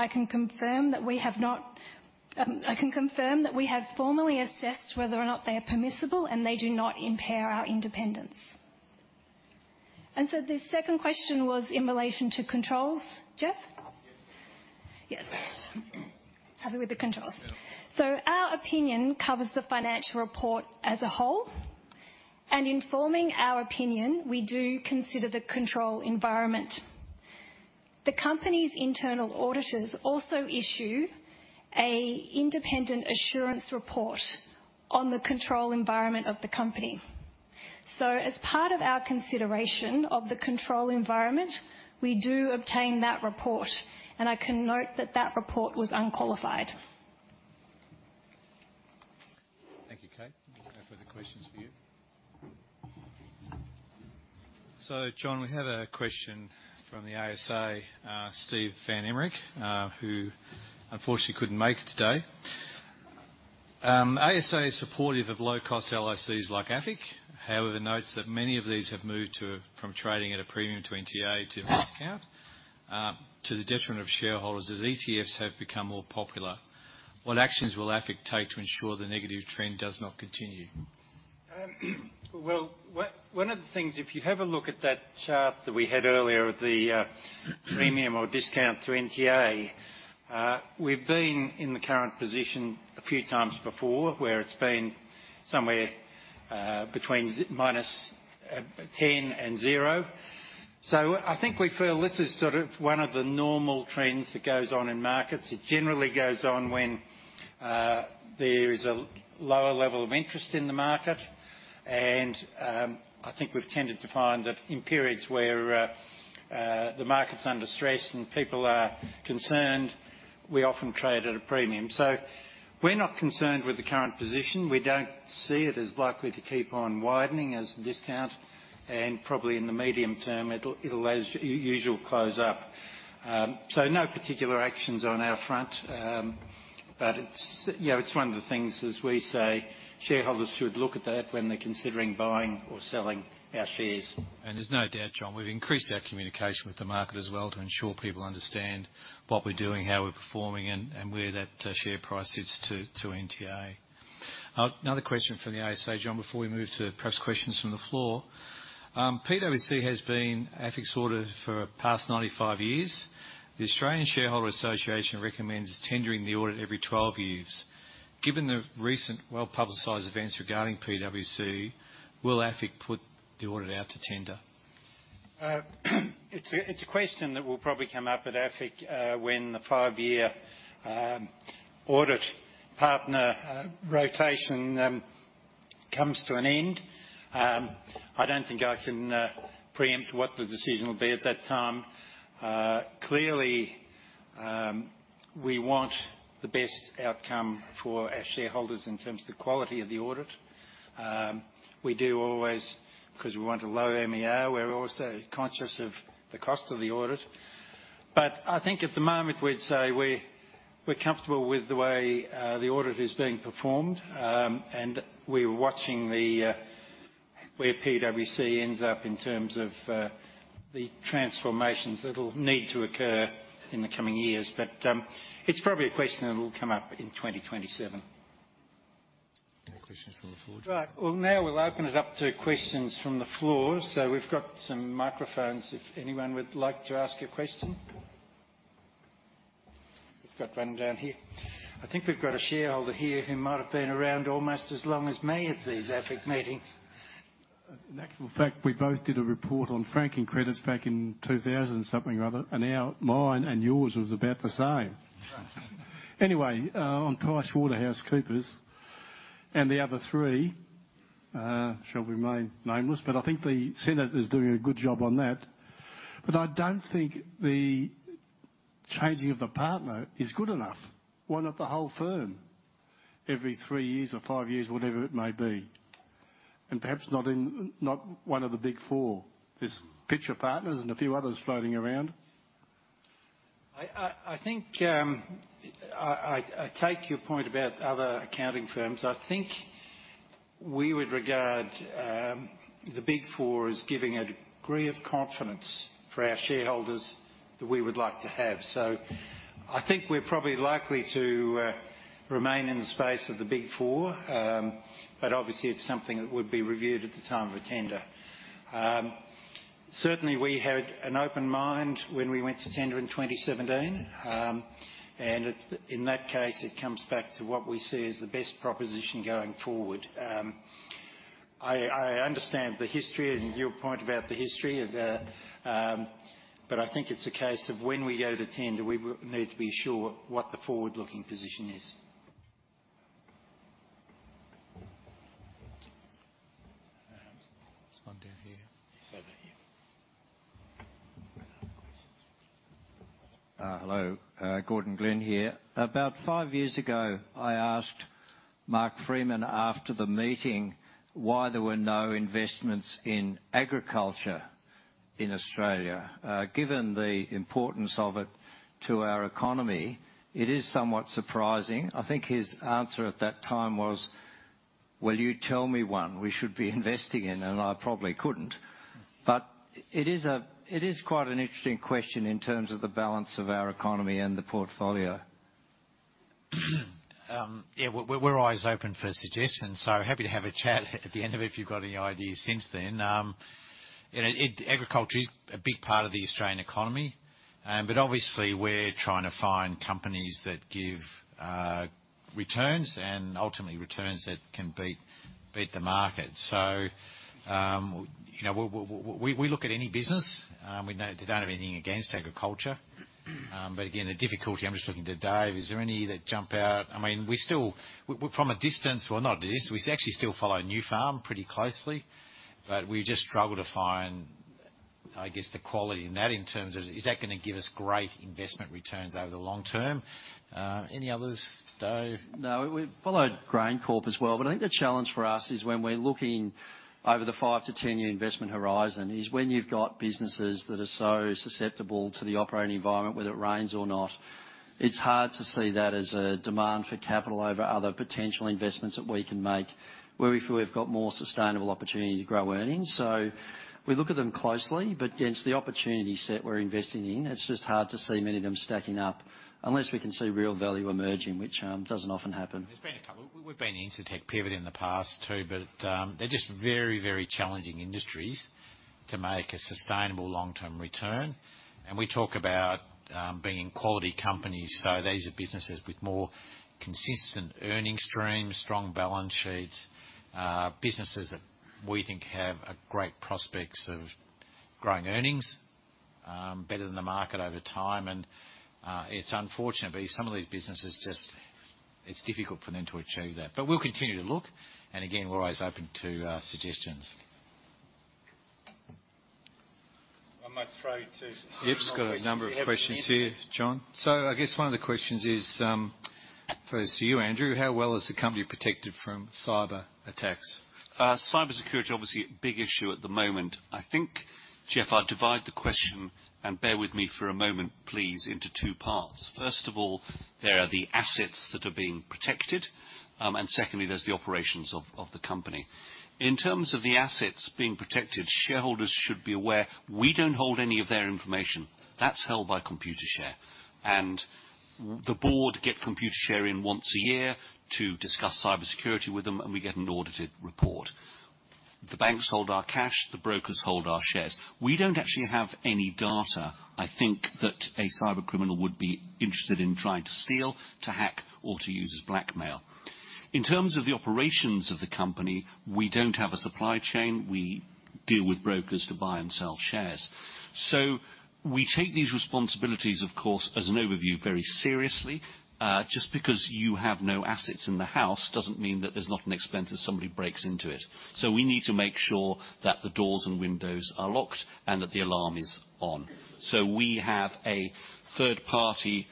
I can confirm that we have formally assessed whether or not they are permissible, and they do not impair our independence. And so the second question was in relation to controls, Geoff? Yes. Yes. Happy with the controls. Yeah. So our opinion covers the financial report as a whole, and in forming our opinion, we do consider the control environment. The company's internal auditors also issue an independent assurance report on the control environment of the company. So as part of our consideration of the control environment, we do obtain that report, and I can note that that report was unqualified. Thank you, Kate. No further questions for you. So, John, we have a question from the ASA, Steve van Emmerik, who unfortunately couldn't make it today. ASA is supportive of low-cost LICs like AFIC, however, notes that many of these have moved from trading at a premium to NTA to discount, to the detriment of shareholders, as ETFs have become more popular. What actions will AFIC take to ensure the negative trend does not continue? Well, one of the things, if you have a look at that chart that we had earlier of the premium or discount to NTA, we've been in the current position a few times before, where it's been somewhere between -10 and zero. So I think we feel this is sort of one of the normal trends that goes on in markets. It generally goes on when there is a lower level of interest in the market, and I think we've tended to find that in periods where the market's under stress and people are concerned, we often trade at a premium. So we're not concerned with the current position. We don't see it as likely to keep on widening as a discount, and probably in the medium term, it'll as usual close up. No particular actions on our front. But it's, you know, it's one of the things, as we say, shareholders should look at that when they're considering buying or selling our shares. And there's no doubt, John, we've increased our communication with the market as well to ensure people understand what we're doing, how we're performing, and, and where that share price sits to NTA. Another question from the ASA, John, before we move to perhaps questions from the floor. PwC has been AFIC's auditor for the past 95 years. The Australian Shareholder's Association recommends tendering the audit every 12 years. Given the recent well-publicized events regarding PwC, will AFIC put the audit out to tender? It's a question that will probably come up at AFIC, when the five-year audit partner rotation comes to an end. I don't think I can preempt what the decision will be at that time. Clearly, we want the best outcome for our shareholders in terms of the quality of the audit. We do always, because we want a low MER, we're also conscious of the cost of the audit. But I think at the moment, we'd say we're comfortable with the way the audit is being performed, and we're watching where PwC ends up in terms of the transformations that'll need to occur in the coming years. But it's probably a question that will come up in 2027 Any questions from the floor? Right, well, now we'll open it up to questions from the floor. So we've got some microphones if anyone would like to ask a question. We've got one down here. I think we've got a shareholder here who might have been around almost as long as me at these AFIC meetings. In actual fact, we both did a report on franking credits back in 2000-something or other, and our- mine and yours was about the same. Right. Anyway, on PricewaterhouseCoopers and the other three, shall remain nameless, but I think the Senate is doing a good job on that. But I don't think the changing of the partner is good enough. Why not the whole firm every three years or five years, whatever it may be, and perhaps not in, not one of the Big Four? There's Pitcher Partners and a few others floating around. I think I take your point about other accounting firms. I think we would regard the Big Four as giving a degree of confidence for our shareholders that we would like to have. So I think we're probably likely to remain in the space of the Big Four, but obviously it's something that would be reviewed at the time of a tender. Certainly, we had an open mind when we went to tender in 2017, and in that case, it comes back to what we see as the best proposition going forward. I understand the history and your point about the history of... but I think it's a case of when we go to tender, we need to be sure what the forward-looking position is. There's one down here. It's over here. Questions. Hello, Gordon Glenn here. About five years ago, I asked Mark Freeman, after the meeting, why there were no investments in agriculture in Australia. Given the importance of it to our economy, it is somewhat surprising. I think his answer at that time was: "Well, you tell me one we should be investing in," and I probably couldn't. But it is quite an interesting question in terms of the balance of our economy and the portfolio. Yeah, we're, we're always open for suggestions, so happy to have a chat at the end of it if you've got any ideas since then. You know, agriculture is a big part of the Australian economy, but obviously we're trying to find companies that give returns and ultimately returns that can beat, beat the market. So, you know, we look at any business. We don't have anything against agriculture. But again, the difficulty. I'm just looking to Dave, is there any that jump out? I mean, we still, from a distance, well, not distance, we actually still follow Nufarm pretty closely, but we just struggle to find, I guess, the quality in that, in terms of, is that gonna give us great investment returns over the long term? Any others, Dave? No, we've followed GrainCorp as well, but I think the challenge for us is when we're looking over the five to 10-year investment horizon, is when you've got businesses that are so susceptible to the operating environment, whether it rains or not, it's hard to see that as a demand for capital over other potential investments that we can make, where we feel we've got more sustainable opportunity to grow earnings. So we look at them closely, but against the opportunity set we're investing in, it's just hard to see many of them stacking up unless we can see real value emerging, which doesn't often happen. There's been a couple. We've been in Incitec Pivot in the past, too, but they're just very, very challenging industries to make a sustainable long-term return. And we talk about being in quality companies, so these are businesses with more consistent earning streams, strong balance sheets, businesses that we think have a great prospects of growing earnings better than the market over time. And it's unfortunate, but some of these businesses just, it's difficult for them to achieve that. But we'll continue to look, and again, we're always open to suggestions. I might throw to- Yep, just got a number of questions here, John. So I guess one of the questions is, first to you, Andrew: How well is the company protected from cyber attacks? Cybersecurity, obviously a big issue at the moment. I think, Geoff, I'd divide the question, and bear with me for a moment, please, into two parts. First of all, there are the assets that are being protected, and secondly, there's the operations of the company. In terms of the assets being protected, shareholders should be aware, we don't hold any of their information. That's held by Computershare, and the board get Computershare in once a year to discuss cybersecurity with them, and we get an audited report. The banks hold our cash, the brokers hold our shares. We don't actually have any data, I think, that a cyber criminal would be interested in trying to steal, to hack, or to use as blackmail. In terms of the operations of the company, we don't have a supply chain. We deal with brokers to buy and sell shares. So we take these responsibilities, of course, as an overview, very seriously. Just because you have no assets in the house, doesn't mean that there's not an expense if somebody breaks into it. So we need to make sure that the doors and windows are locked and that the alarm is on. So we have a third-party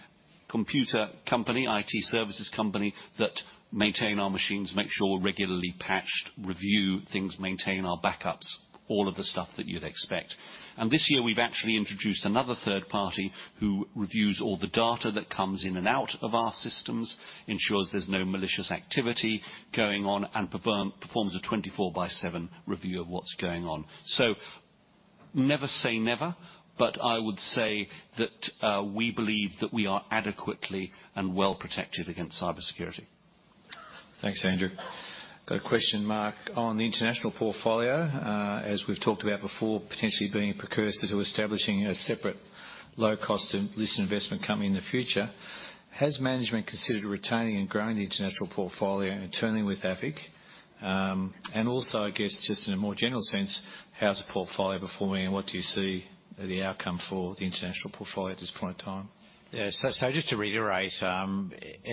computer company, IT services company, that maintain our machines, make sure we're regularly patched, review things, maintain our backups, all of the stuff that you'd expect. And this year, we've actually introduced another third party who reviews all the data that comes in and out of our systems, ensures there's no malicious activity going on, and performs a 24/7 review of what's going on. So I-... Never say never, but I would say that, we believe that we are adequately and well protected against cybersecurity. Thanks, Andrew. Got a question, Mark, on the international portfolio. As we've talked about before, potentially being a precursor to establishing a separate low-cost listed investment company in the future. Has management considered retaining and growing the international portfolio internally with AFIC? And also, I guess, just in a more general sense, how's the portfolio performing, and what do you see the outcome for the international portfolio at this point in time? Yeah. So just to reiterate, at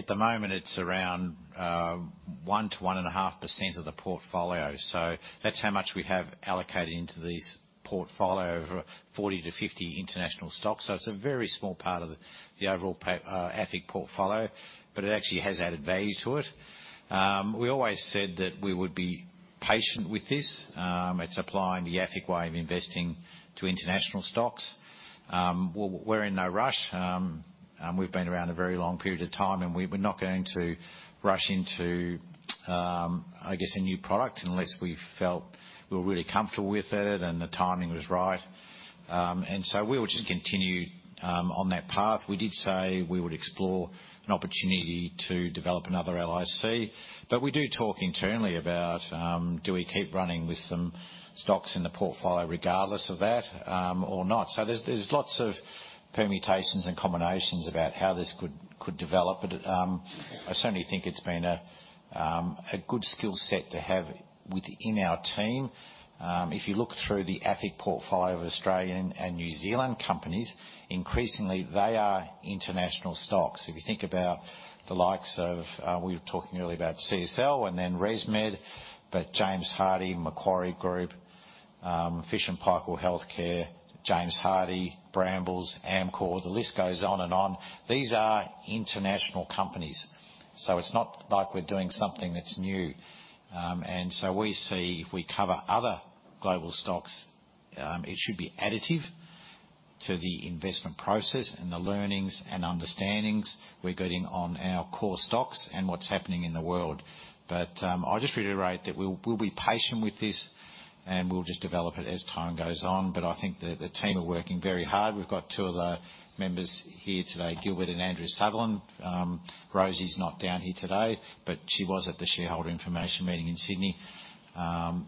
the moment, it's around 1%-1.5% of the portfolio. So that's how much we have allocated into this portfolio, over 40-50 international stocks. So it's a very small part of the overall AFIC portfolio, but it actually has added value to it. We always said that we would be patient with this. It's applying the AFIC way of investing to international stocks. We're in no rush. We've been around a very long period of time, and we were not going to rush into, I guess, a new product unless we felt we were really comfortable with it and the timing was right. And so we will just continue on that path. We did say we would explore an opportunity to develop another LIC, but we do talk internally about, do we keep running with some stocks in the portfolio regardless of that, or not? So there's lots of permutations and combinations about how this could develop, but, I certainly think it's been a good skill set to have within our team. If you look through the AFIC portfolio of Australian and New Zealand companies, increasingly they are international stocks. If you think about the likes of... We were talking earlier about CSL and then ResMed, but James Hardie, Macquarie Group, Fisher & Paykel Healthcare, James Hardie, Brambles, Amcor, the list goes on and on. These are international companies, so it's not like we're doing something that's new. And so we see if we cover other global stocks, it should be additive to the investment process and the learnings and understandings we're getting on our core stocks and what's happening in the world. But, I'll just reiterate that we'll be patient with this, and we'll just develop it as time goes on. But I think the team are working very hard. We've got two of the members here today, Gilbert and Andrew Sutherland. Rosie's not down here today, but she was at the shareholder information meeting in Sydney.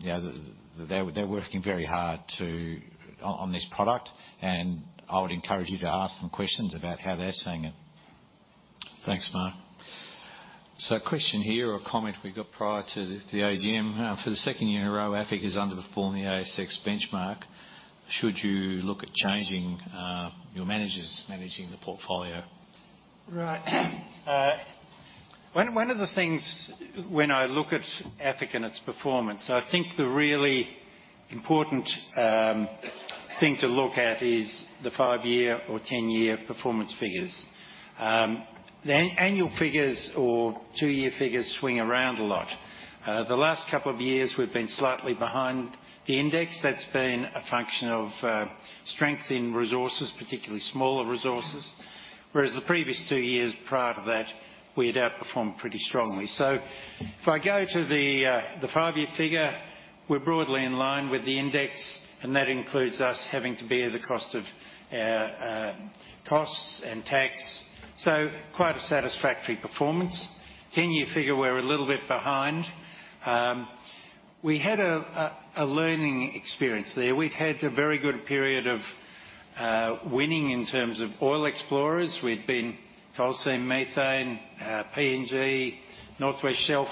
Yeah, they're working very hard on this product, and I would encourage you to ask them questions about how they're seeing it. Thanks, Mark. So a question here or comment we got prior to the AGM. For the second year in a row, AFIC is underperforming the ASX benchmark. Should you look at changing your managers managing the portfolio? Right. One of the things when I look at AFIC and its performance, I think the really important thing to look at is the five-year or 10-year performance figures. The annual figures or two-year figures swing around a lot. The last couple of years, we've been slightly behind the index. That's been a function of strength in resources, particularly smaller resources. Whereas the previous two years prior to that, we'd outperformed pretty strongly. So if I go to the five-year figure, we're broadly in line with the index, and that includes us having to bear the cost of our costs and tax. So quite a satisfactory performance. 10-year figure, we're a little bit behind. We had a learning experience there. We've had a very good period of winning in terms of oil explorers. We'd been in Coal Seam Methane, PNG, North West Shelf.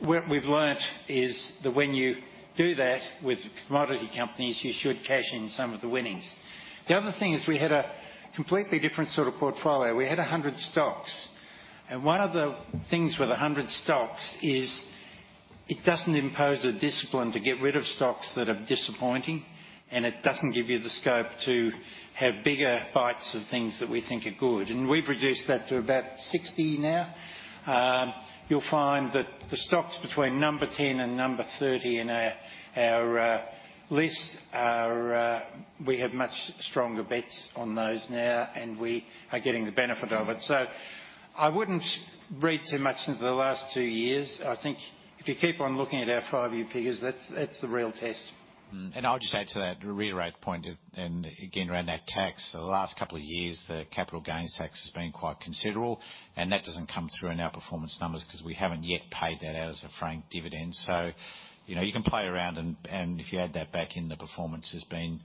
What we've learned is that when you do that with commodity companies, you should cash in some of the winnings. The other thing is we had a completely different sort of portfolio. We had 100 stocks, and one of the things with 100 stocks is it doesn't impose a discipline to get rid of stocks that are disappointing, and it doesn't give you the scope to have bigger bites of things that we think are good. We've reduced that to about 60 now. You'll find that the stocks between number 10 and number 30 in our lists are, we have much stronger bets on those now, and we are getting the benefit of it. So I wouldn't read too much into the last two years. I think if you keep on looking at our five-year figures, that's, that's the real test. And I'll just add to that, to reiterate the point and again, around that tax. So the last couple of years, the capital gains tax has been quite considerable, and that doesn't come through in our performance numbers because we haven't yet paid that out as a franked dividend. So, you know, you can play around and, and if you add that back in, the performance has been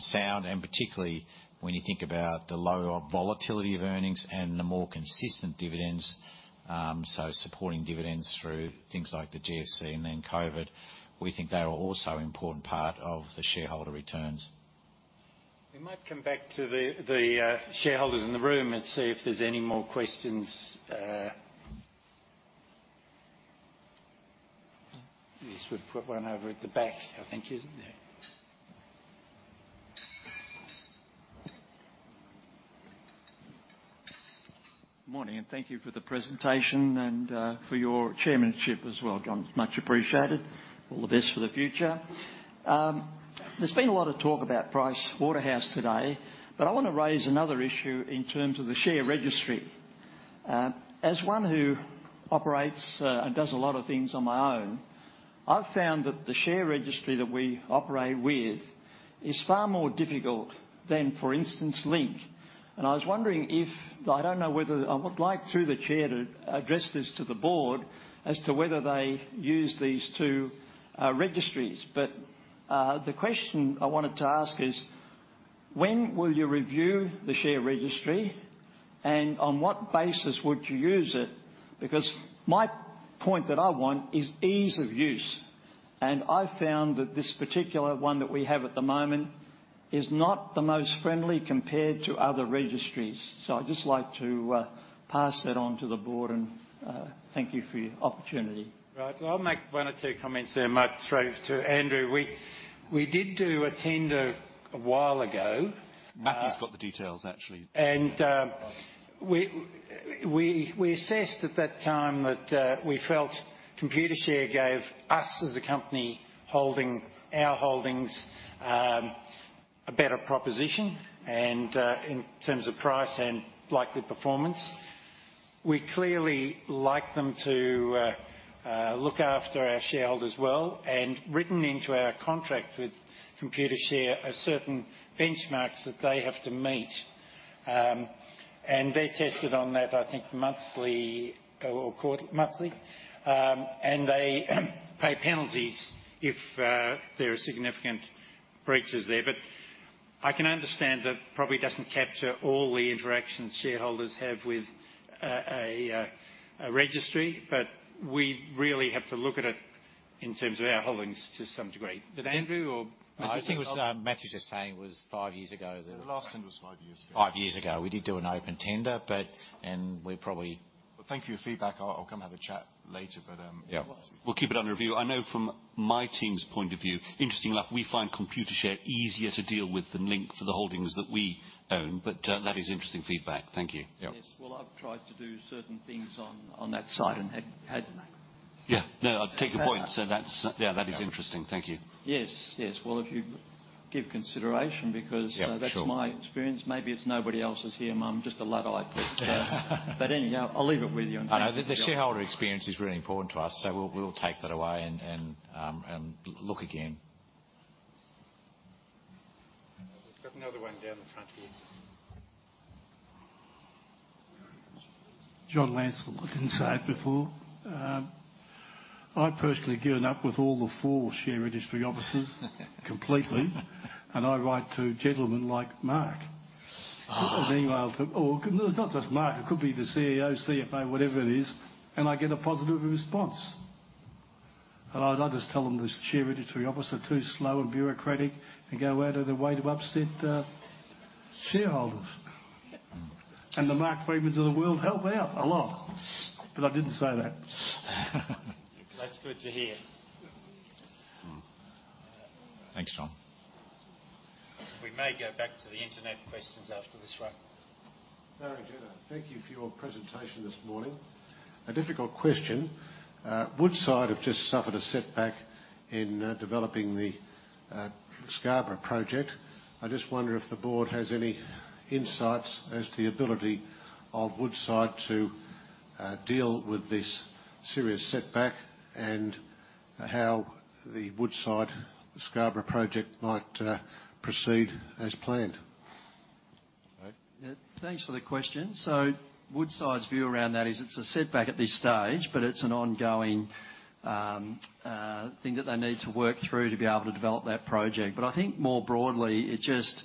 sound, and particularly when you think about the lower volatility of earnings and the more consistent dividends, so supporting dividends through things like the GFC and then COVID, we think they are also an important part of the shareholder returns. We might come back to the shareholders in the room and see if there's any more questions. Yes, we've put one over at the back, I think. Yes. Good morning, and thank you for the presentation and, for your chairmanship as well, John. Much appreciated. All the best for the future. There's been a lot of talk about Pricewaterhouse today, but I want to raise another issue in terms of the share registry. As one who operates, and does a lot of things on my own, I've found that the share registry that we operate with is far more difficult than, for instance, Link. And I was wondering if I don't know whether I would like, through the chair, to address this to the board as to whether they use these two, registries. But, the question I wanted to ask is: When will you review the share registry, and on what basis would you use it? Because my point that I want is ease of use, and I found that this particular one that we have at the moment is not the most friendly compared to other registries. So I'd just like to pass that on to the board, and thank you for your opportunity. Right. So I'll make one or two comments there, Mark, through to Andrew. We did do a tender a while ago. Matthew's got the details, actually. We assessed at that time that we felt Computershare gave us, as a company, holding our holdings, a better proposition, and in terms of price and likely performance. We clearly like them to look after our shareholders well, and written into our contract with Computershare are certain benchmarks that they have to meet. They're tested on that, I think, monthly or quarterly. Monthly? They pay penalties if there are significant breaches there. But I can understand that probably doesn't capture all the interactions shareholders have with a registry, but we really have to look at it in terms of our holdings to some degree. Did Andrew or- No, I think what Matthew was just saying was five years ago that- The last one was five years ago. Five years ago, we did do an open tender, but... And we probably- Thank you for your feedback. I'll come have a chat later, but, yeah. We'll keep it under review. I know from my team's point of view, interestingly enough, we find Computershare easier to deal with Link for the holdings that we own, but, that is interesting feedback. Thank you. Yeah. Yes. Well, I've tried to do certain things on that side and hadn't. Yeah. No, I take your point. So that's, yeah, that is interesting. Thank you. Yes, yes. Well, if you give consideration, because- Yeah, sure. That's my experience. Maybe it's nobody else's here, and I'm just a Luddite. But anyhow, I'll leave it with you. I know the shareholder experience is really important to us, so we'll take that away and look again. We've got another one down the front here. John Lansell. I didn't say it before. I've personally given up with all the four share registry officers completely, and I write to gentlemen like Mark. An email to... Oh, it's not just Mark. It could be the CEO, CFO, whatever it is, and I get a positive response. And I just tell them this share registry officer is too slow and bureaucratic and go out of their way to upset shareholders. And the Mark Freeman of the world help out a lot, but I didn't say that. That's good to hear. Thanks, John. We may go back to the internet questions after this one. Barry Jenner, thank you for your presentation this morning. A difficult question. Woodside have just suffered a setback in developing the Scarborough Project. I just wonder if the board has any insights as to the ability of Woodside to deal with this serious setback and how the Woodside's Scarborough Project might proceed as planned. Right. Yeah. Thanks for the question. So Woodside's view around that is it's a setback at this stage, but it's an ongoing thing that they need to work through to be able to develop that project. But I think more broadly, it just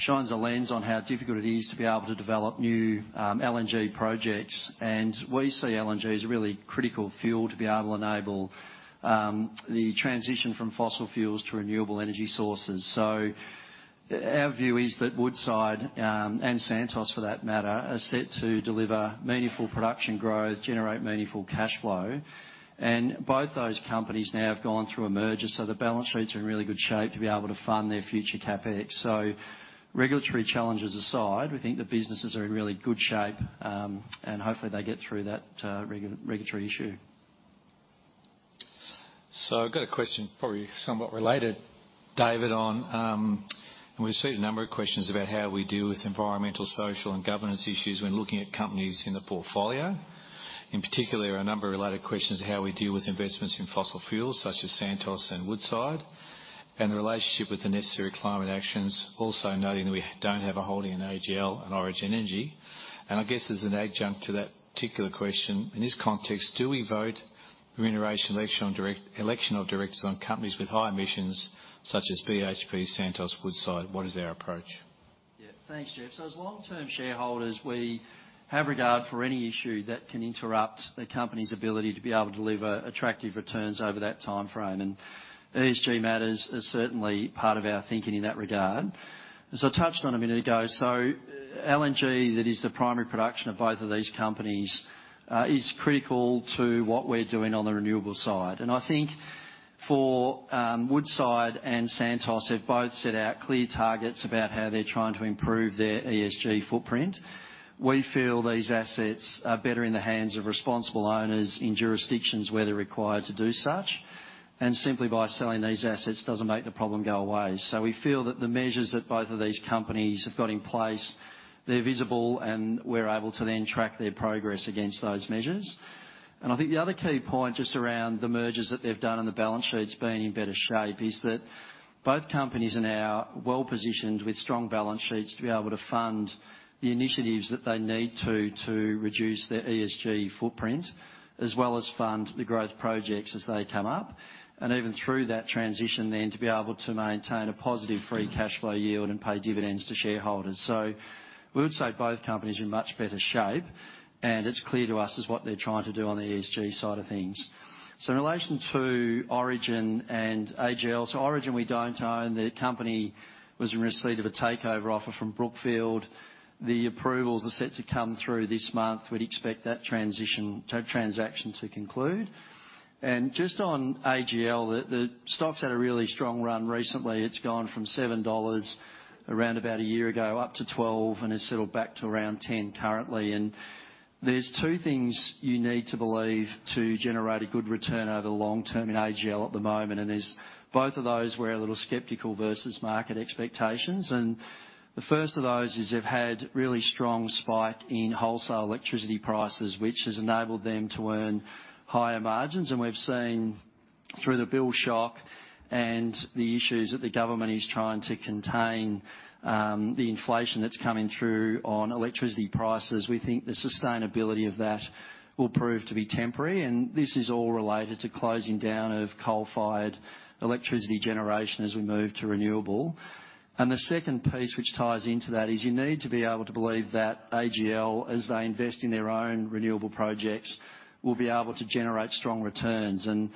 shines a lens on how difficult it is to be able to develop new LNG projects. And we see LNG as a really critical fuel to be able to enable the transition from fossil fuels to renewable energy sources. So our view is that Woodside and Santos, for that matter, are set to deliver meaningful production growth, generate meaningful cash flow. And both those companies now have gone through a merger, so the balance sheets are in really good shape to be able to fund their future CapEx. Regulatory challenges aside, we think the businesses are in really good shape, and hopefully, they get through that regulatory issue. So I've got a question, probably somewhat related, David, on... We've received a number of questions about how we deal with environmental, social, and governance issues when looking at companies in the portfolio. In particular, a number of related questions, how we deal with investments in fossil fuels such as Santos and Woodside, and the relationship with the necessary climate actions. Also, noting that we don't have a holding in AGL and Origin Energy. And I guess as an adjunct to that particular question, in this context, do we vote on remuneration, election of directors on companies with high emissions such as BHP, Santos, Woodside? What is our approach? Yeah. Thanks, Geoff. So as long-term shareholders, we have regard for any issue that can interrupt a company's ability to be able to deliver attractive returns over that timeframe, and ESG matters are certainly part of our thinking in that regard. As I touched on a minute ago, so LNG, that is the primary production of both of these companies, is critical to what we're doing on the renewable side. And I think for Woodside and Santos, they've both set out clear targets about how they're trying to improve their ESG footprint. We feel these assets are better in the hands of responsible owners in jurisdictions where they're required to do such, and simply by selling these assets doesn't make the problem go away. So we feel that the measures that both of these companies have got in place, they're visible, and we're able to then track their progress against those measures. And I think the other key point, just around the mergers that they've done and the balance sheets being in better shape, is that both companies are now well-positioned with strong balance sheets to be able to fund the initiatives that they need to, to reduce their ESG footprint, as well as fund the growth projects as they come up. And even through that transition, then to be able to maintain a positive free cash flow yield and pay dividends to shareholders. So we would say both companies are in much better shape, and it's clear to us as what they're trying to do on the ESG side of things. So in relation to Origin and AGL, so Origin, we don't own. The company was in receipt of a takeover offer from Brookfield. The approvals are set to come through this month. We'd expect that transaction to conclude. Just on AGL, the stock's had a really strong run recently. It's gone from 7 dollars around about a year ago, up to 12, and has settled back to around 10 currently. There's two things you need to believe to generate a good return over the long term in AGL at the moment, and is both of those we're a little skeptical versus market expectations. The first of those is they've had really strong spike in wholesale electricity prices, which has enabled them to earn higher margins. We've seen through the bill shock and the issues that the government is trying to contain, the inflation that's coming through on electricity prices. We think the sustainability of that will prove to be temporary, and this is all related to closing down of coal-fired electricity generation as we move to renewable. And the second piece, which ties into that, is you need to be able to believe that AGL, as they invest in their own renewable projects, will be able to generate strong returns. And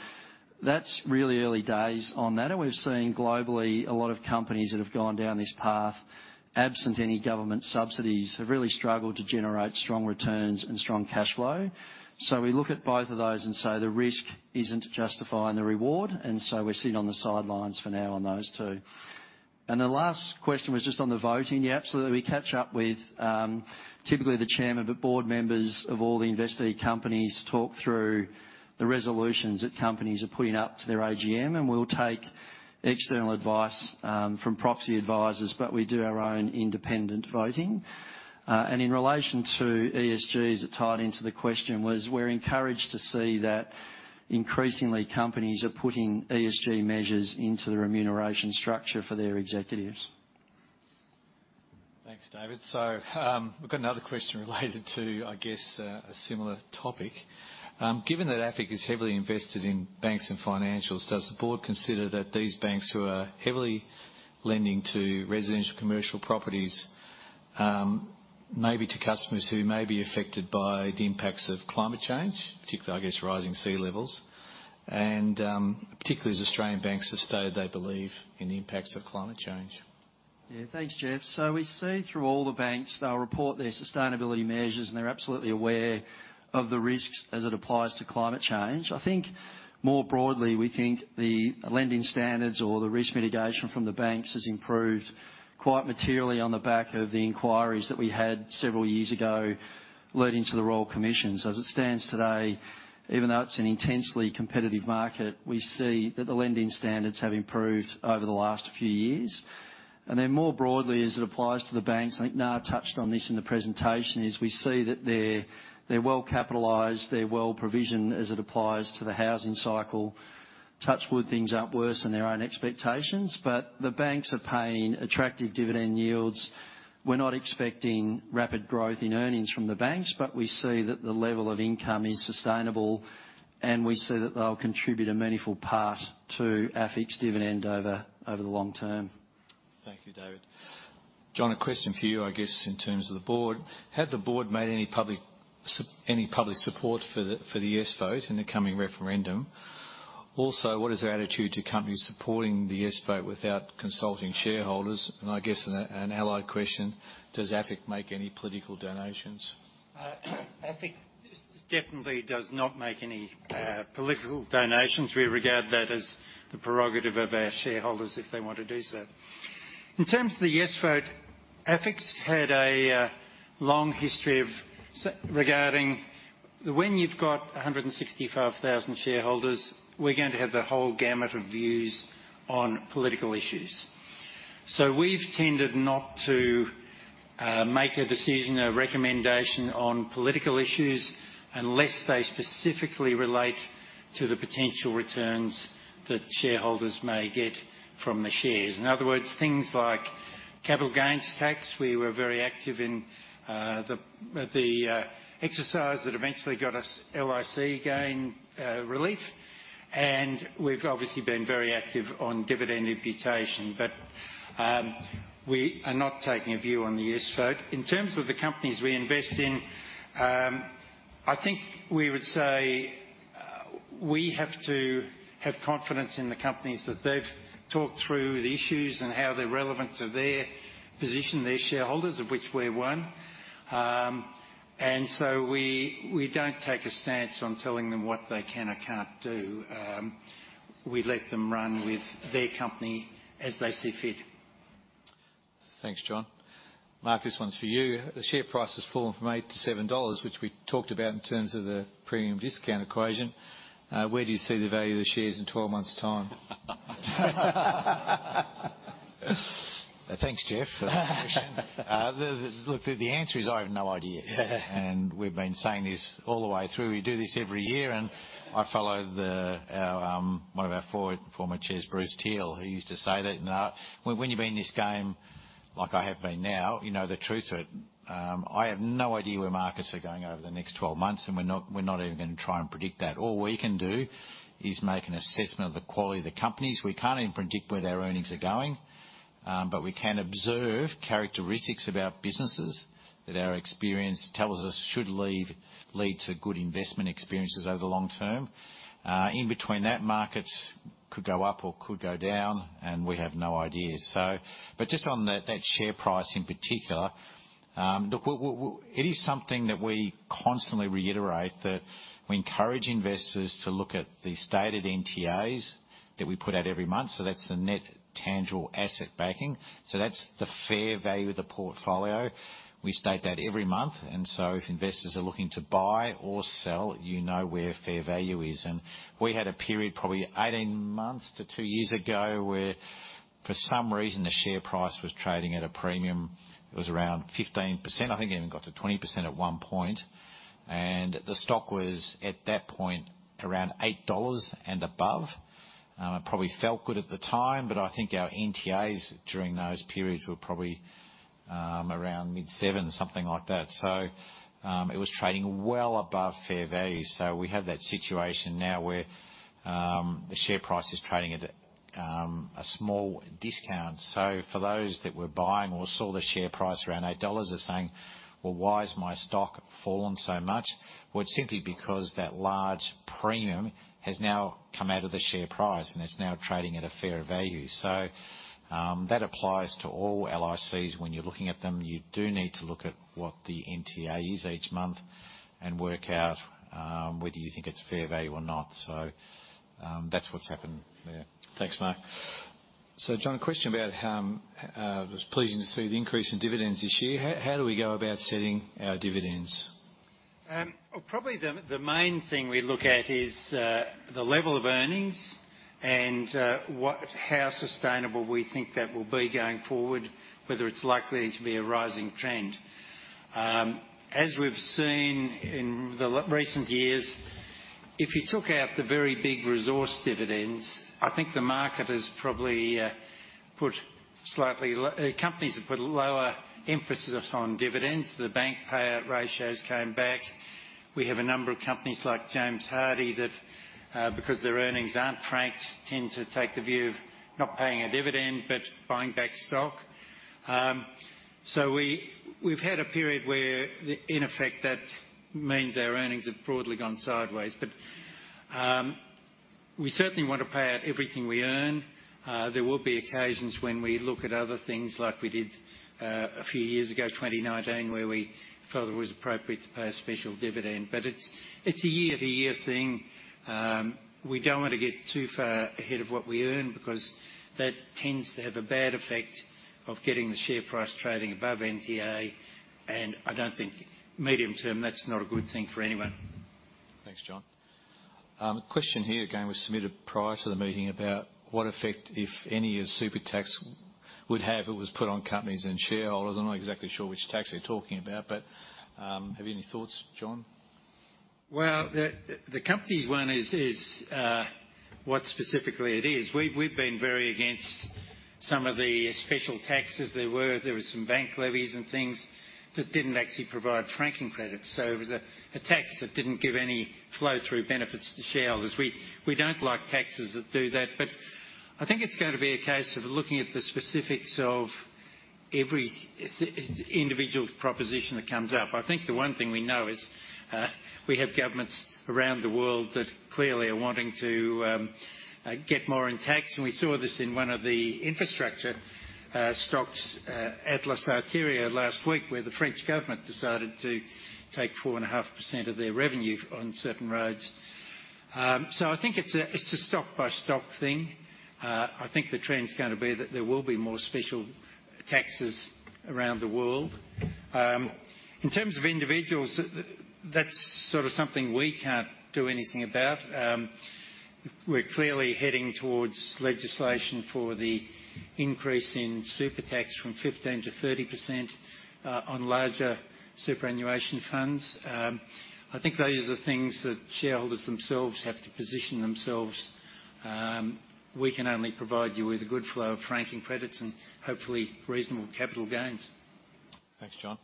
that's really early days on that. And we've seen globally a lot of companies that have gone down this path, absent any government subsidies, have really struggled to generate strong returns and strong cash flow. So we look at both of those and say, the risk isn't justifying the reward, and so we're sitting on the sidelines for now on those two. And the last question was just on the voting. Yeah, absolutely. We catch up with typically the chairman, but board members of all the investee companies talk through the resolutions that companies are putting up to their AGM, and we'll take external advice from proxy advisors, but we do our own independent voting. And in relation to ESGs, that tied into the question, was we're encouraged to see that increasingly companies are putting ESG measures into the remuneration structure for their executives. Thanks, David. So, we've got another question related to, I guess, a similar topic. Given that AFIC is heavily invested in banks and financials, does the board consider that these banks, who are heavily lending to residential commercial properties, may be to customers who may be affected by the impacts of climate change, particularly, I guess, rising sea levels? And, particularly as Australian banks have stated they believe in the impacts of climate change. Yeah. Thanks, Geoff. So we see through all the banks, they'll report their sustainability measures, and they're absolutely aware of the risks as it applies to climate change. I think more broadly, we think the lending standards or the risk mitigation from the banks has improved quite materially on the back of the inquiries that we had several years ago leading to the Royal Commissions. As it stands today, even though it's an intensely competitive market, we see that the lending standards have improved over the last few years. And then more broadly, as it applies to the banks, I think Nga touched on this in the presentation, is we see that they're, they're well capitalized, they're well provisioned as it applies to the housing cycle. Touch wood, things aren't worse than their own expectations, but the banks are paying attractive dividend yields. We're not expecting rapid growth in earnings from the banks, but we see that the level of income is sustainable, and we see that they'll contribute a meaningful part to AFIC's dividend over the long term. Thank you, David. John, a question for you, I guess, in terms of the board: Had the board made any public support for the yes vote in the coming referendum? Also, what is their attitude to companies supporting the yes vote without consulting shareholders? And I guess an allied question, does AFIC make any political donations? AFIC definitely does not make any political donations. We regard that as the prerogative of our shareholders if they want to do so. In terms of the yes vote, AFIC's had a long history... When you've got 165,000 shareholders, we're going to have the whole gamut of views on political issues. So we've tended not to make a decision, a recommendation on political issues, unless they specifically relate to the potential returns that shareholders may get from the shares. In other words, things like capital gains tax. We were very active in the exercise that eventually got us LIC gain relief, and we've obviously been very active on dividend imputation. But we are not taking a view on the yes vote. In terms of the companies we invest in, I think we would say we have to have confidence in the companies that they've talked through the issues and how they're relevant to their position, their shareholders, of which we're one. And so we don't take a stance on telling them what they can or can't do. We let them run with their company as they see fit. Thanks, John. Mark, this one's for you. The share price has fallen from 8-7 dollars, which we talked about in terms of the premium discount equation. Where do you see the value of the shares in 12 months' time?... Thanks, Geoff, for the question. The look, the answer is I have no idea. And we've been saying this all the way through. We do this every year, and I follow the one of our former chairs, Bruce Teele, who used to say that, "Now, when you've been in this game, like I have been now, you know the truth to it." I have no idea where markets are going over the next 12 months, and we're not even gonna try and predict that. All we can do is make an assessment of the quality of the companies. We can't even predict where their earnings are going. But we can observe characteristics about businesses that our experience tells us should lead to good investment experiences over the long term. In between that, markets could go up or could go down, and we have no idea. But just on that, that share price in particular, look, it is something that we constantly reiterate, that we encourage investors to look at the stated NTAs that we put out every month. So that's the net tangible asset backing. So that's the fair value of the portfolio. We state that every month, and so if investors are looking to buy or sell, you know where fair value is. And we had a period, probably 18 months to two years ago, where for some reason the share price was trading at a premium. It was around 15%. I think it even got to 20% at one point, and the stock was, at that point, around 8 dollars and above. It probably felt good at the time, but I think our NTAs during those periods were probably around mid-7, something like that. So, it was trading well above fair value. So we have that situation now where the share price is trading at a small discount. So for those that were buying or saw the share price around 8 dollars are saying, "Well, why is my stock fallen so much?" Well, it's simply because that large premium has now come out of the share price, and it's now trading at a fairer value. So, that applies to all LICs. When you're looking at them, you do need to look at what the NTA is each month and work out whether you think it's fair value or not. So, that's what's happened there. Thanks, Mark. So, John, a question about it was pleasing to see the increase in dividends this year. How do we go about setting our dividends? Well, probably the main thing we look at is the level of earnings and how sustainable we think that will be going forward, whether it's likely to be a rising trend. As we've seen in recent years, if you took out the very big resource dividends, I think the market has probably put slightly, companies have put lower emphasis on dividends. The bank payout ratios came back. We have a number of companies like James Hardie that, because their earnings aren't franked, tend to take the view of not paying a dividend, but buying back stock. So we, we've had a period where. In effect, that means our earnings have broadly gone sideways. But we certainly want to pay out everything we earn. There will be occasions when we look at other things like we did, a few years ago, 2019, where we felt it was appropriate to pay a special dividend. But it's, it's a year-to-year thing. We don't want to get too far ahead of what we earn, because that tends to have a bad effect of getting the share price trading above NTA, and I don't think medium term, that's not a good thing for anyone. Thanks, John. A question here, again, was submitted prior to the meeting about what effect, if any, a super tax would have if it was put on companies and shareholders. I'm not exactly sure which tax they're talking about, but, have you any thoughts, John? Well, the company's one is what specifically it is. We've been very against some of the special taxes. There were some bank levies and things that didn't actually provide franking credits. So it was a tax that didn't give any flow-through benefits to shareholders. We don't like taxes that do that, but I think it's going to be a case of looking at the specifics of every individual proposition that comes up. I think the one thing we know is, we have governments around the world that clearly are wanting to get more in tax, and we saw this in one of the infrastructure stocks, Atlas Arteria last week, where the French government decided to take 4.5% of their revenue on certain roads. So I think it's a, it's a stock-by-stock thing. I think the trend is gonna be that there will be more special taxes around the world. In terms of individuals, that's sort of something we can't do anything about. We're clearly heading towards legislation for the increase in super tax from 15%-30%, on larger superannuation funds. I think those are the things that shareholders themselves have to position themselves. We can only provide you with a good flow of franking credits and hopefully reasonable capital gains. Thanks, John.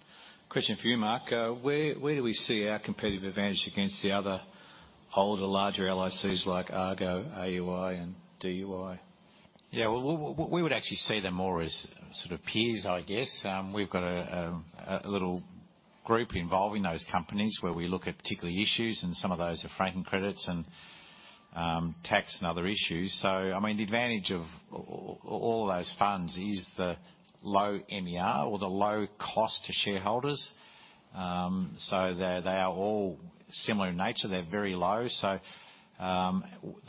Question for you, Mark: where do we see our competitive advantage against the other older, larger LICs like Argo, AUI, and DUI? Yeah, well, we would actually see them more as sort of peers, I guess. We've got a little group involving those companies where we look at particular issues, and some of those are franking credits and tax and other issues. So, I mean, the advantage of all those funds is the low MER or the low cost to shareholders. So, they're all similar in nature. They're very low, so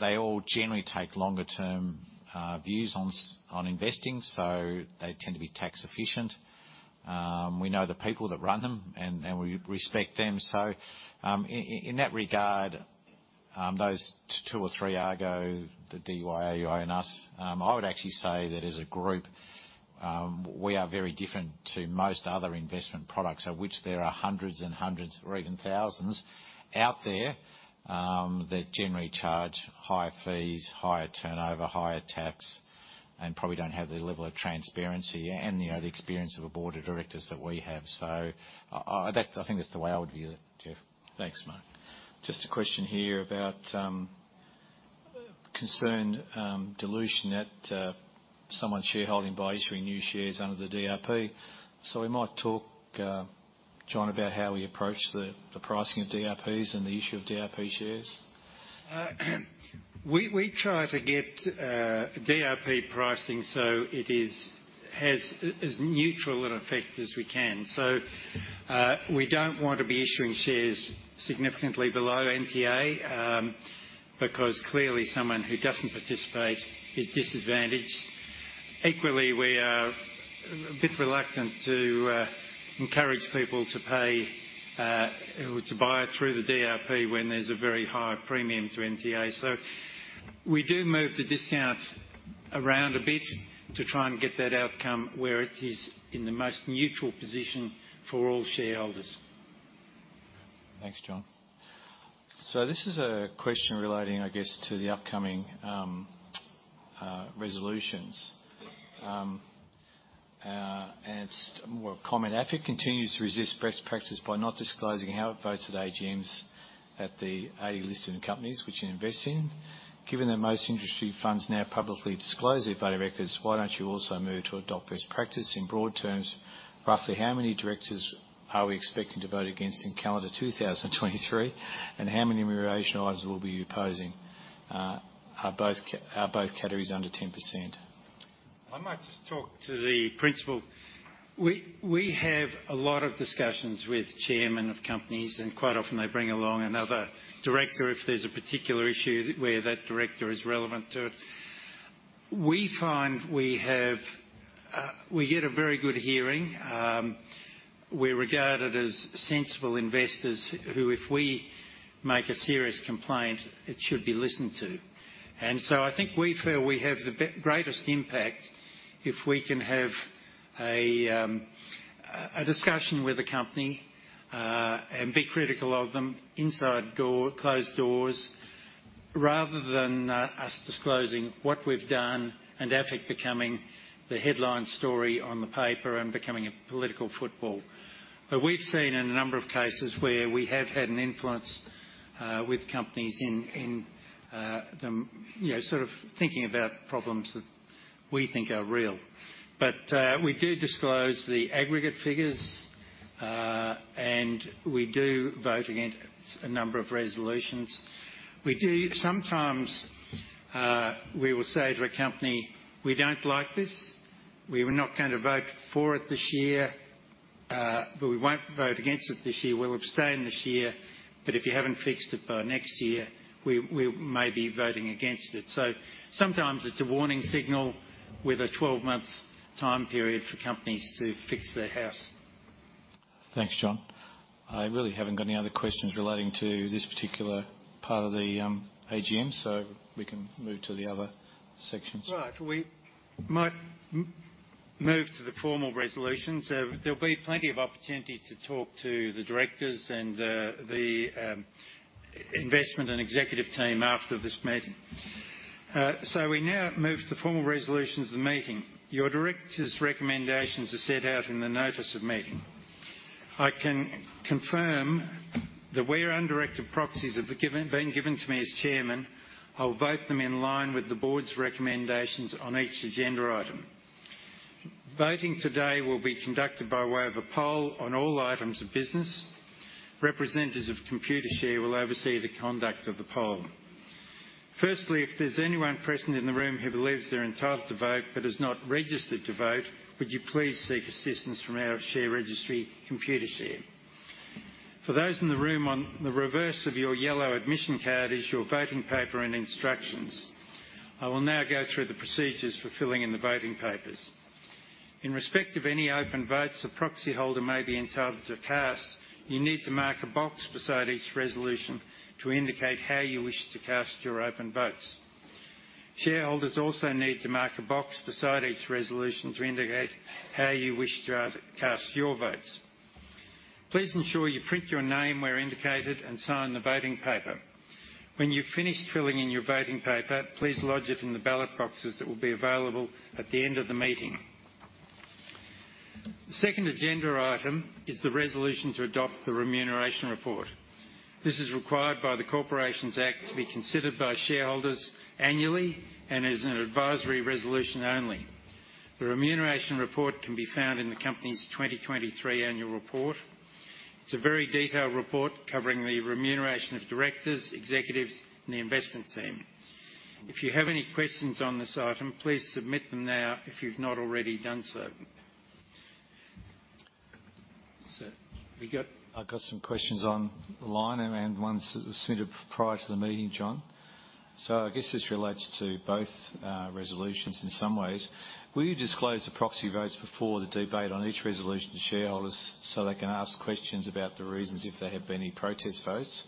they all generally take longer-term views on investing, so they tend to be tax efficient. We know the people that run them, and we respect them. So, in that regard... Those two or three are, the DUI, AUI and us. I would actually say that as a group, we are very different to most other investment products, of which there are hundreds and hundreds or even thousands out there, that generally charge higher fees, higher turnover, higher tax, and probably don't have the level of transparency and, you know, the experience of a board of directors that we have. So I think that's the way I would view it, Geoff. Thanks, Mark. Just a question here about concern, dilution at someone shareholding by issuing new shares under the DRP. So we might talk, John, about how we approach the pricing of DRPs and the issue of DRP shares. We try to get DRP pricing, so it is, has as neutral an effect as we can. So, we don't want to be issuing shares significantly below NTA, because clearly someone who doesn't participate is disadvantaged. Equally, we are a bit reluctant to encourage people to pay, or to buy through the DRP when there's a very high premium to NTA. So we do move the discount around a bit to try and get that outcome where it is in the most neutral position for all shareholders. Thanks, John. So this is a question relating, I guess, to the upcoming resolutions. And it's more a comment. "AFIC continues to resist best practice by not disclosing how it votes at AGMs at the 80 listed companies which you invest in. Given that most industry funds now publicly disclose their voting records, why don't you also move to adopt best practice? In broad terms, roughly how many directors are we expecting to vote against in calendar 2023, and how many remuneration items will be opposing? Are both categories under 10%?" I might just talk to the principal. We have a lot of discussions with chairmen of companies, and quite often they bring along another director if there's a particular issue where that director is relevant to it. We find we get a very good hearing. We're regarded as sensible investors, who, if we make a serious complaint, it should be listened to. And so I think we feel we have the greatest impact if we can have a discussion with the company, and be critical of them behind closed doors, rather than us disclosing what we've done and AFIC becoming the headline story on the paper and becoming a political football. But we've seen in a number of cases where we have had an influence with companies in them, you know, sort of thinking about problems that we think are real. But we do disclose the aggregate figures, and we do vote against a number of resolutions. We do sometimes, we will say to a company, "We don't like this. We're not going to vote for it this year, but we won't vote against it this year. We'll abstain this year, but if you haven't fixed it by next year, we may be voting against it." So sometimes it's a warning signal with a 12-month time period for companies to fix their house. Thanks, John. I really haven't got any other questions relating to this particular part of the AGM, so we can move to the other sections. Right. We might move to the formal resolution, so there'll be plenty of opportunity to talk to the directors and the investment and executive team after this meeting. So we now move to the formal resolutions of the meeting. Your directors' recommendations are set out in the notice of meeting. I can confirm that where undirected proxies have been given to me as chairman, I'll vote them in line with the board's recommendations on each agenda item. Voting today will be conducted by way of a poll on all items of business. Representatives of Computershare will oversee the conduct of the poll. Firstly, if there's anyone present in the room who believes they're entitled to vote but has not registered to vote, would you please seek assistance from our share registry, Computershare. For those in the room, on the reverse of your yellow admission card is your voting paper and instructions. I will now go through the procedures for filling in the voting papers. In respect of any open votes a proxyholder may be entitled to cast, you need to mark a box beside each resolution to indicate how you wish to cast your open votes. Shareholders also need to mark a box beside each resolution to indicate how you wish to cast your votes. Please ensure you print your name where indicated and sign the voting paper. When you've finished filling in your voting paper, please lodge it in the ballot boxes that will be available at the end of the meeting. The second agenda item is the resolution to adopt the remuneration report. This is required by the Corporations Act to be considered by shareholders annually and is an advisory resolution only. The remuneration report can be found in the company's 2023 annual report. It's a very detailed report covering the remuneration of directors, executives, and the investment team. If you have any questions on this item, please submit them now if you've not already done so. I've got some questions on the line and ones that were submitted prior to the meeting, John. So I guess this relates to both resolutions in some ways. Will you disclose the proxy votes before the debate on each resolution to shareholders so they can ask questions about the reasons, if there have been any protest votes?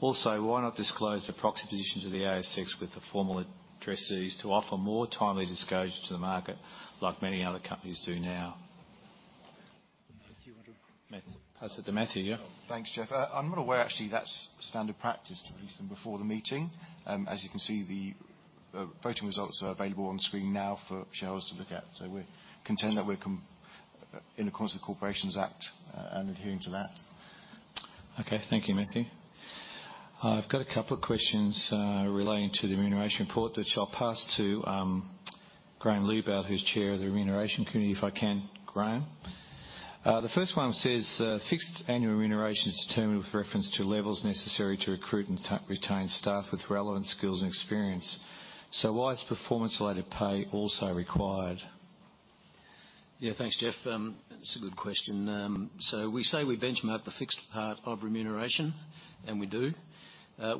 Also, why not disclose the proxy positions of the ASX with the formal addressees to offer more timely disclosure to the market, like many other companies do now? Matthew. Pass it to Matthew, yeah. Thanks, Geoff. I'm not aware, actually, that's standard practice to release them before the meeting. As you can see, the voting results are available on screen now for shareholders to look at, so we're content that we're in the course of the Corporations Act and adhering to that. Okay, thank you, Matthew. I've got a couple of questions relating to the remuneration report that I'll pass to Graeme Liebelt, who's Chair of the Remuneration Committee, if I can, Graeme. The first one says, "Fixed annual remuneration is determined with reference to levels necessary to recruit and retain staff with relevant skills and experience. So why is performance-related pay also required? Yeah, thanks, Geoff. That's a good question. So we say we benchmark the fixed part of remuneration, and we do.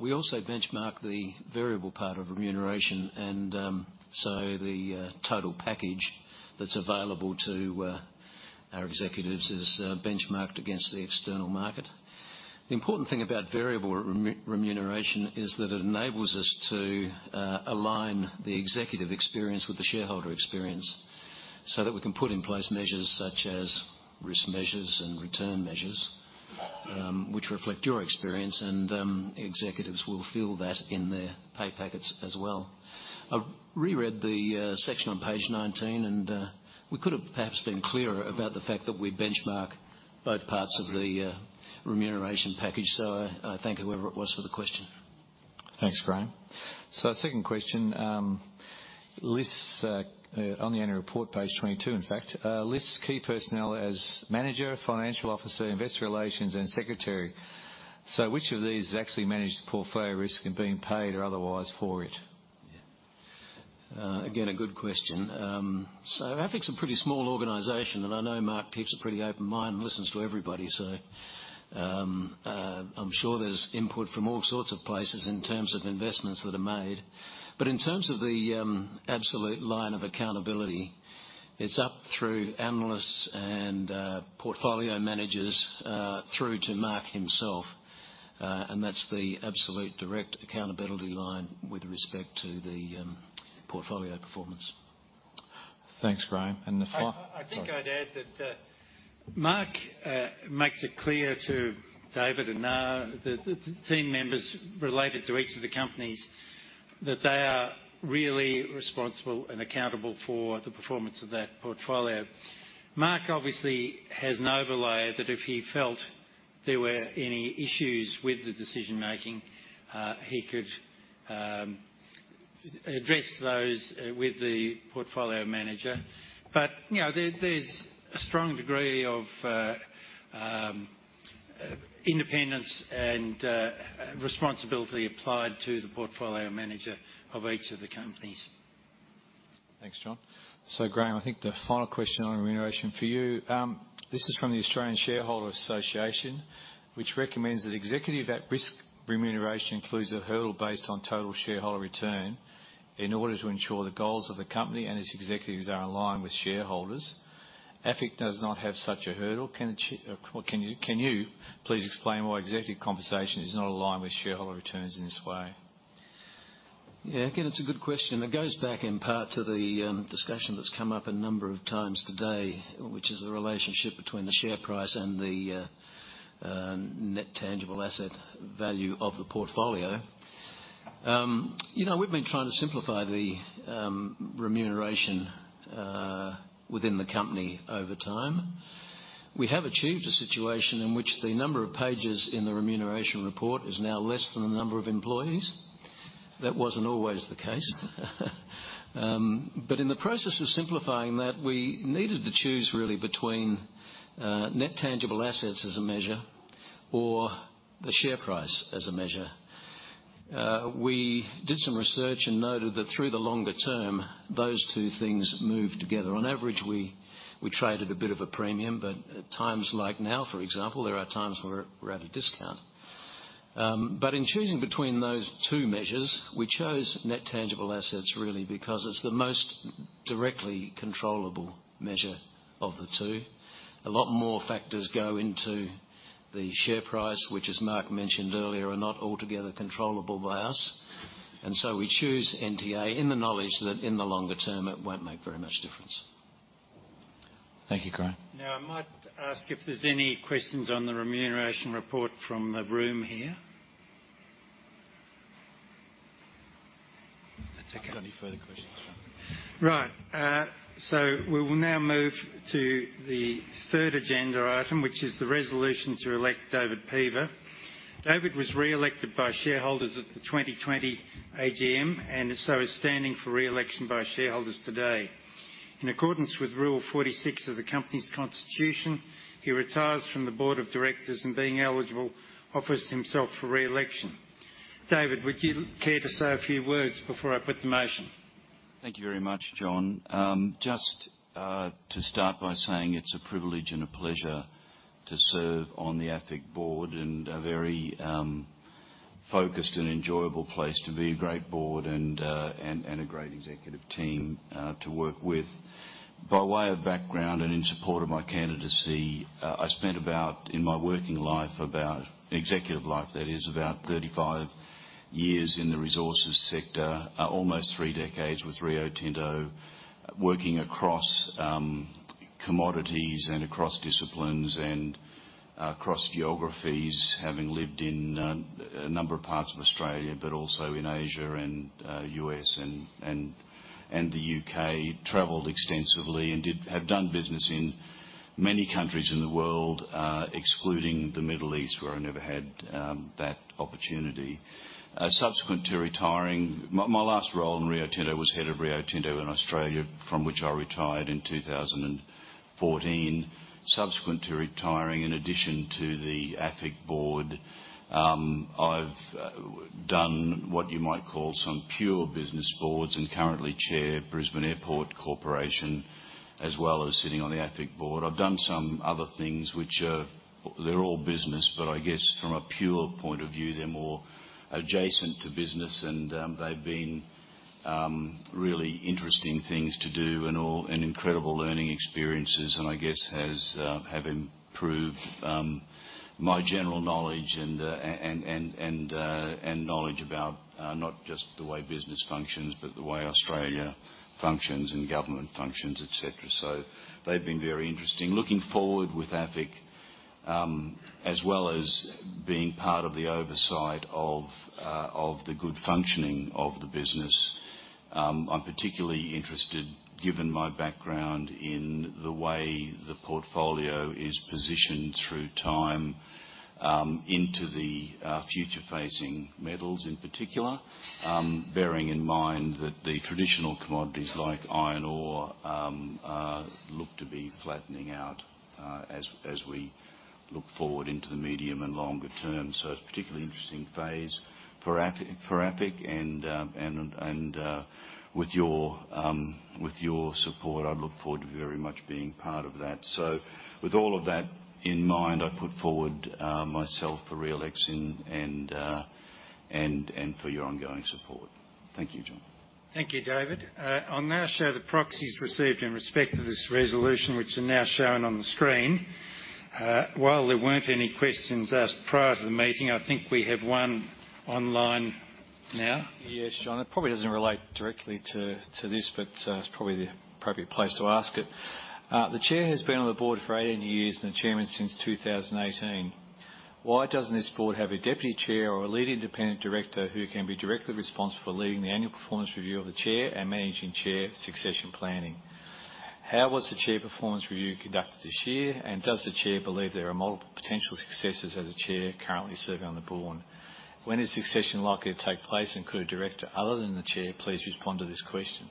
We also benchmark the variable part of remuneration, and so the total package that's available to our executives is benchmarked against the external market. The important thing about variable remuneration is that it enables us to align the executive experience with the shareholder experience so that we can put in place measures such as risk measures and return measures, which reflect your experience, and executives will feel that in their pay packets as well. I've reread the section on page 19, and we could have perhaps been clearer about the fact that we benchmark both parts of the remuneration package, so I thank whoever it was for the question. Thanks, Graeme. So second question, lists on the annual report, page 22, in fact, lists key personnel as manager, financial officer, investor relations, and secretary. So which of these has actually managed the portfolio risk and being paid or otherwise for it? Yeah. Again, a good question. So AFIC's a pretty small organization, and I know Mark keeps a pretty open mind and listens to everybody, so I'm sure there's input from all sorts of places in terms of investments that are made. But in terms of the absolute line of accountability, it's up through analysts and portfolio managers through to Mark himself, and that's the absolute direct accountability line with respect to the portfolio performance. Thanks, Graeme. And the fi- I think I'd add that, Mark makes it clear to David and the team members related to each of the companies, that they are really responsible and accountable for the performance of that portfolio. Mark obviously has an overlay that if he felt there were any issues with the decision making, he could address those with the portfolio manager. But, you know, there's a strong degree of independence and responsibility applied to the portfolio manager of each of the companies. Thanks, John. So Graeme, I think the final question on remuneration for you, this is from the Australian Shareholders' Association, which recommends that executive at-risk remuneration includes a hurdle based on total shareholder return in order to ensure the goals of the company and its executives are aligned with shareholders. AFIC does not have such a hurdle. Or can you please explain why executive compensation is not aligned with shareholder returns in this way? Yeah, again, it's a good question, and it goes back in part to the discussion that's come up a number of times today, which is the relationship between the share price and the net tangible asset value of the portfolio. You know, we've been trying to simplify the remuneration within the company over time. We have achieved a situation in which the number of pages in the remuneration report is now less than the number of employees. That wasn't always the case. But in the process of simplifying that, we needed to choose really between net tangible assets as a measure or the share price as a measure. We did some research and noted that through the longer term, those two things move together. On average, we traded a bit of a premium, but at times like now, for example, there are times where we're at a discount. But in choosing between those two measures, we chose net tangible assets, really, because it's the most directly controllable measure of the two. A lot more factors go into the share price, which, as Mark mentioned earlier, are not altogether controllable by us. And so we choose NTA in the knowledge that in the longer term, it won't make very much difference. Thank you, Graeme. Now, I might ask if there's any questions on the remuneration report from the room here? That's okay. I've got any further questions, John. Right, so we will now move to the third agenda item, which is the resolution to elect David Peever. David was re-elected by shareholders at the 2020 AGM, and so is standing for re-election by shareholders today. In accordance with Rule 46 of the company's constitution, he retires from the Board of Directors and, being eligible, offers himself for re-election. David, would you care to say a few words before I put the motion? ... Thank you very much, John. Just to start by saying it's a privilege and a pleasure to serve on the AFIC board, and a very focused and enjoyable place to be. A great board and a great executive team to work with. By way of background and in support of my candidacy, I spent about, in my working life, executive life that is, about 35 years in the resources sector. Almost three decades with Rio Tinto, working across commodities and across disciplines and across geographies. Having lived in a number of parts of Australia, but also in Asia and U.S. and the U.K. Traveled extensively and have done business in many countries in the world, excluding the Middle East, where I never had that opportunity. Subsequent to retiring... My last role in Rio Tinto was head of Rio Tinto in Australia, from which I retired in 2014. Subsequent to retiring, in addition to the AFIC board, I've done what you might call some pure business boards, and currently Chair Brisbane Airport Corporation, as well as sitting on the AFIC board. I've done some other things which they're all business, but I guess from a pure point of view, they're more adjacent to business, and they've been really interesting things to do and all, and incredible learning experiences. I guess have improved my general knowledge and knowledge about not just the way business functions, but the way Australia functions and government functions, et cetera. So they've been very interesting. Looking forward with AFIC, as well as being part of the oversight of the good functioning of the business. I'm particularly interested, given my background, in the way the portfolio is positioned through time, into the future-facing metals in particular. Bearing in mind that the traditional commodities like iron ore look to be flattening out, as we look forward into the medium and longer term. So it's a particularly interesting phase for AFIC and with your support, I look forward to very much being part of that. So with all of that in mind, I put forward myself for re-election and for your ongoing support. Thank you, John. Thank you, David. I'll now show the proxies received in respect to this resolution, which are now shown on the screen. While there weren't any questions asked prior to the meeting, I think we have one online now. Yes, John, it probably doesn't relate directly to this, but it's probably the appropriate place to ask it. The chair has been on the board for 18 years, and the chairman since 2018. Why doesn't this board have a deputy chair or a lead independent director who can be directly responsible for leading the annual performance review of the chair and managing chair succession planning? How was the chair performance review conducted this year? And does the chair believe there are multiple potential successors as a chair currently serving on the board? When is succession likely to take place, and could a director other than the chair please respond to this question?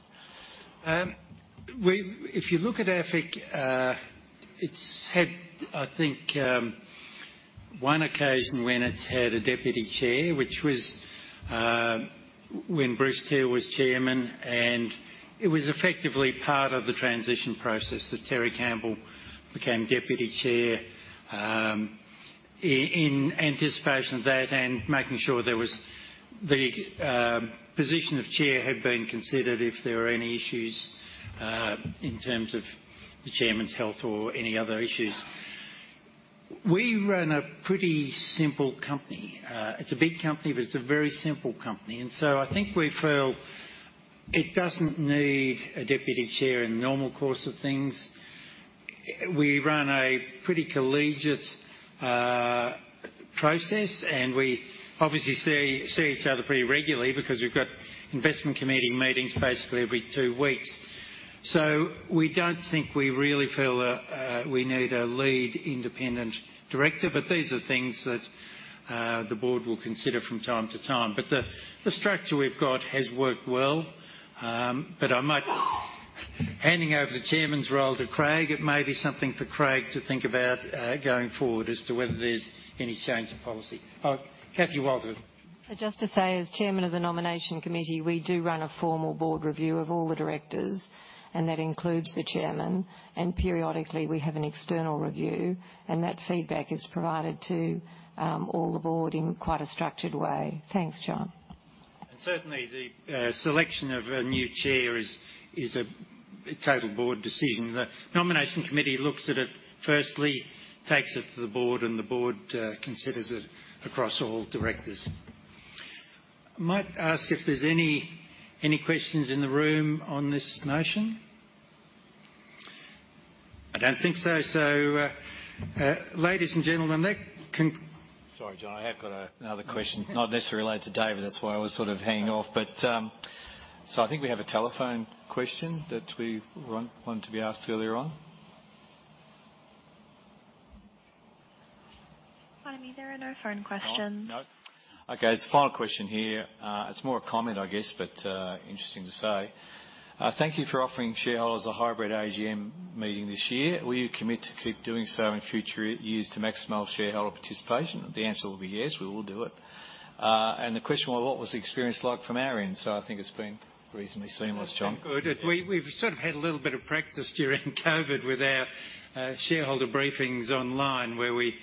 If you look at AFIC, it's had, I think, one occasion when it's had a deputy chair, which was, when Bruce Teele was Chairman, and it was effectively part of the transition process, that Terry Campbell became Deputy Chair. In anticipation of that and making sure there was the position of chair had been considered if there were any issues, in terms of the chairman's health or any other issues. We run a pretty simple company. It's a big company, but it's a very simple company, and so I think we feel it doesn't need a deputy chair in the normal course of things. We run a pretty collegiate process, and we obviously see each other pretty regularly because we've got Investment Committee meetings basically every two weeks. So we don't think we really feel we need a lead independent director, but these are things that the board will consider from time to time. But the, the structure we've got has worked well. But I might- handing over the chairman's role to Craig, it may be something for Craig to think about going forward as to whether there's any change in policy. Oh, Cathy Walter. Just to say, as Chairman of the Nomination Committee, we do run a formal board review of all the directors, and that includes the chairman. And periodically, we have an external review, and that feedback is provided to all the board in quite a structured way. Thanks, John. Certainly, the selection of a new chair is a total board decision. The Nomination Committee looks at it firstly, takes it to the board, and the board considers it across all directors. I might ask if there's any questions in the room on this motion? I don't think so. So, ladies and gentlemen, that con- Sorry, John, I have got another question. Not necessarily related to David. That's why I was sort of hanging off. But, so I think we have a telephone question that we wanted to be asked earlier on.... Sorry, there are no phone questions. Oh, no. Okay, there's a final question here. It's more a comment, I guess, but interesting to say. Thank you for offering shareholders a hybrid AGM meeting this year. Will you commit to keep doing so in future years to maximize shareholder participation? The answer will be yes, we will do it. And the question was, what was the experience like from our end? So I think it's been reasonably seamless, John. Good. We, we've sort of had a little bit of practice during COVID with our shareholder briefings online, where we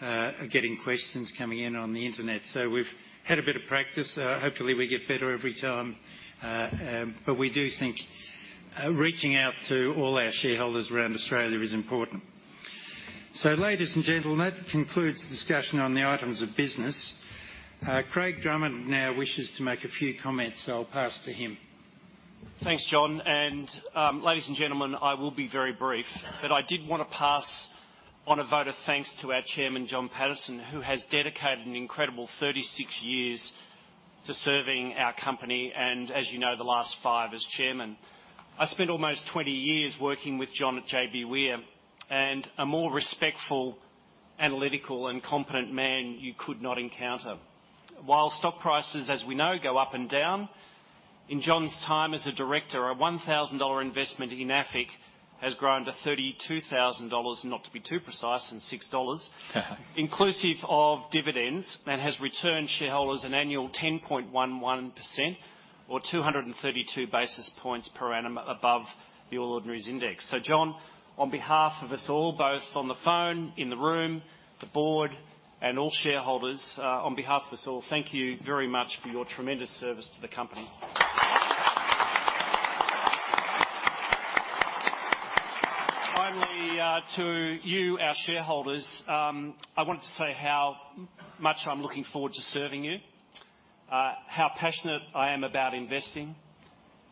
are getting questions coming in on the Internet. So we've had a bit of practice. Hopefully we get better every time. But we do think reaching out to all our shareholders around Australia is important. So ladies and gentlemen, that concludes the discussion on the items of business. Craig Drummond now wishes to make a few comments, so I'll pass to him. Thanks, John. Ladies and gentlemen, I will be very brief. I did want to pass on a vote of thanks to our chairman, John Paterson, who has dedicated an incredible 36 years to serving our company, and as you know, the last five as Chairman. I spent almost 20 years working with John at JBWere, and a more respectful, analytical, and competent man you could not encounter. While stock prices, as we know, go up and down, in John's time as a Director, a 1,000 dollar investment in AFIC has grown to AUD 32,006—inclusive of dividends, and has returned shareholders an annual 10.11% or 232 basis points per annum above the All Ordinaries Index. So John, on behalf of us all, both on the phone, in the room, the board, and all shareholders, on behalf of us all, thank you very much for your tremendous service to the company. Finally, to you, our shareholders, I wanted to say how much I'm looking forward to serving you, how passionate I am about investing,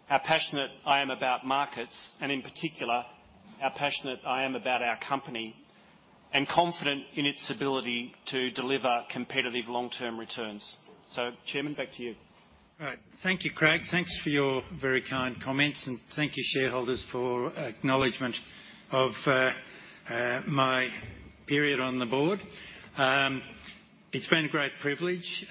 how passionate I am about markets, and in particular, how passionate I am about our company, and confident in its ability to deliver competitive long-term returns. So Chairman, back to you. All right. Thank you, Craig. Thanks for your very kind comments, and thank you, shareholders, for acknowledgement of my period on the board. It's been a great privilege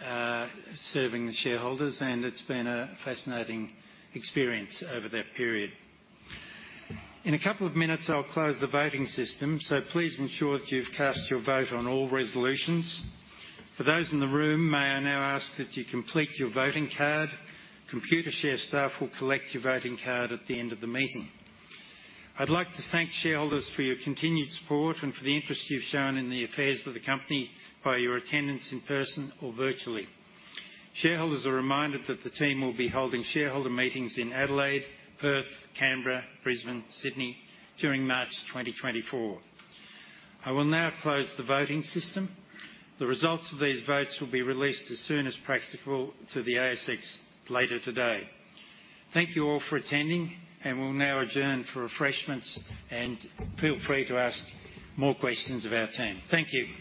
serving the shareholders, and it's been a fascinating experience over that period. In a couple of minutes, I'll close the voting system, so please ensure that you've cast your vote on all resolutions. For those in the room, may I now ask that you complete your voting card. Computershare staff will collect your voting card at the end of the meeting. I'd like to thank shareholders for your continued support and for the interest you've shown in the affairs of the company by your attendance in person or virtually. Shareholders are reminded that the team will be holding shareholder meetings in Adelaide, Perth, Canberra, Brisbane, Sydney, during March 2024. I will now close the voting system. The results of these votes will be released as soon as practical to the ASX later today. Thank you all for attending, and we'll now adjourn for refreshments, and feel free to ask more questions of our team. Thank you.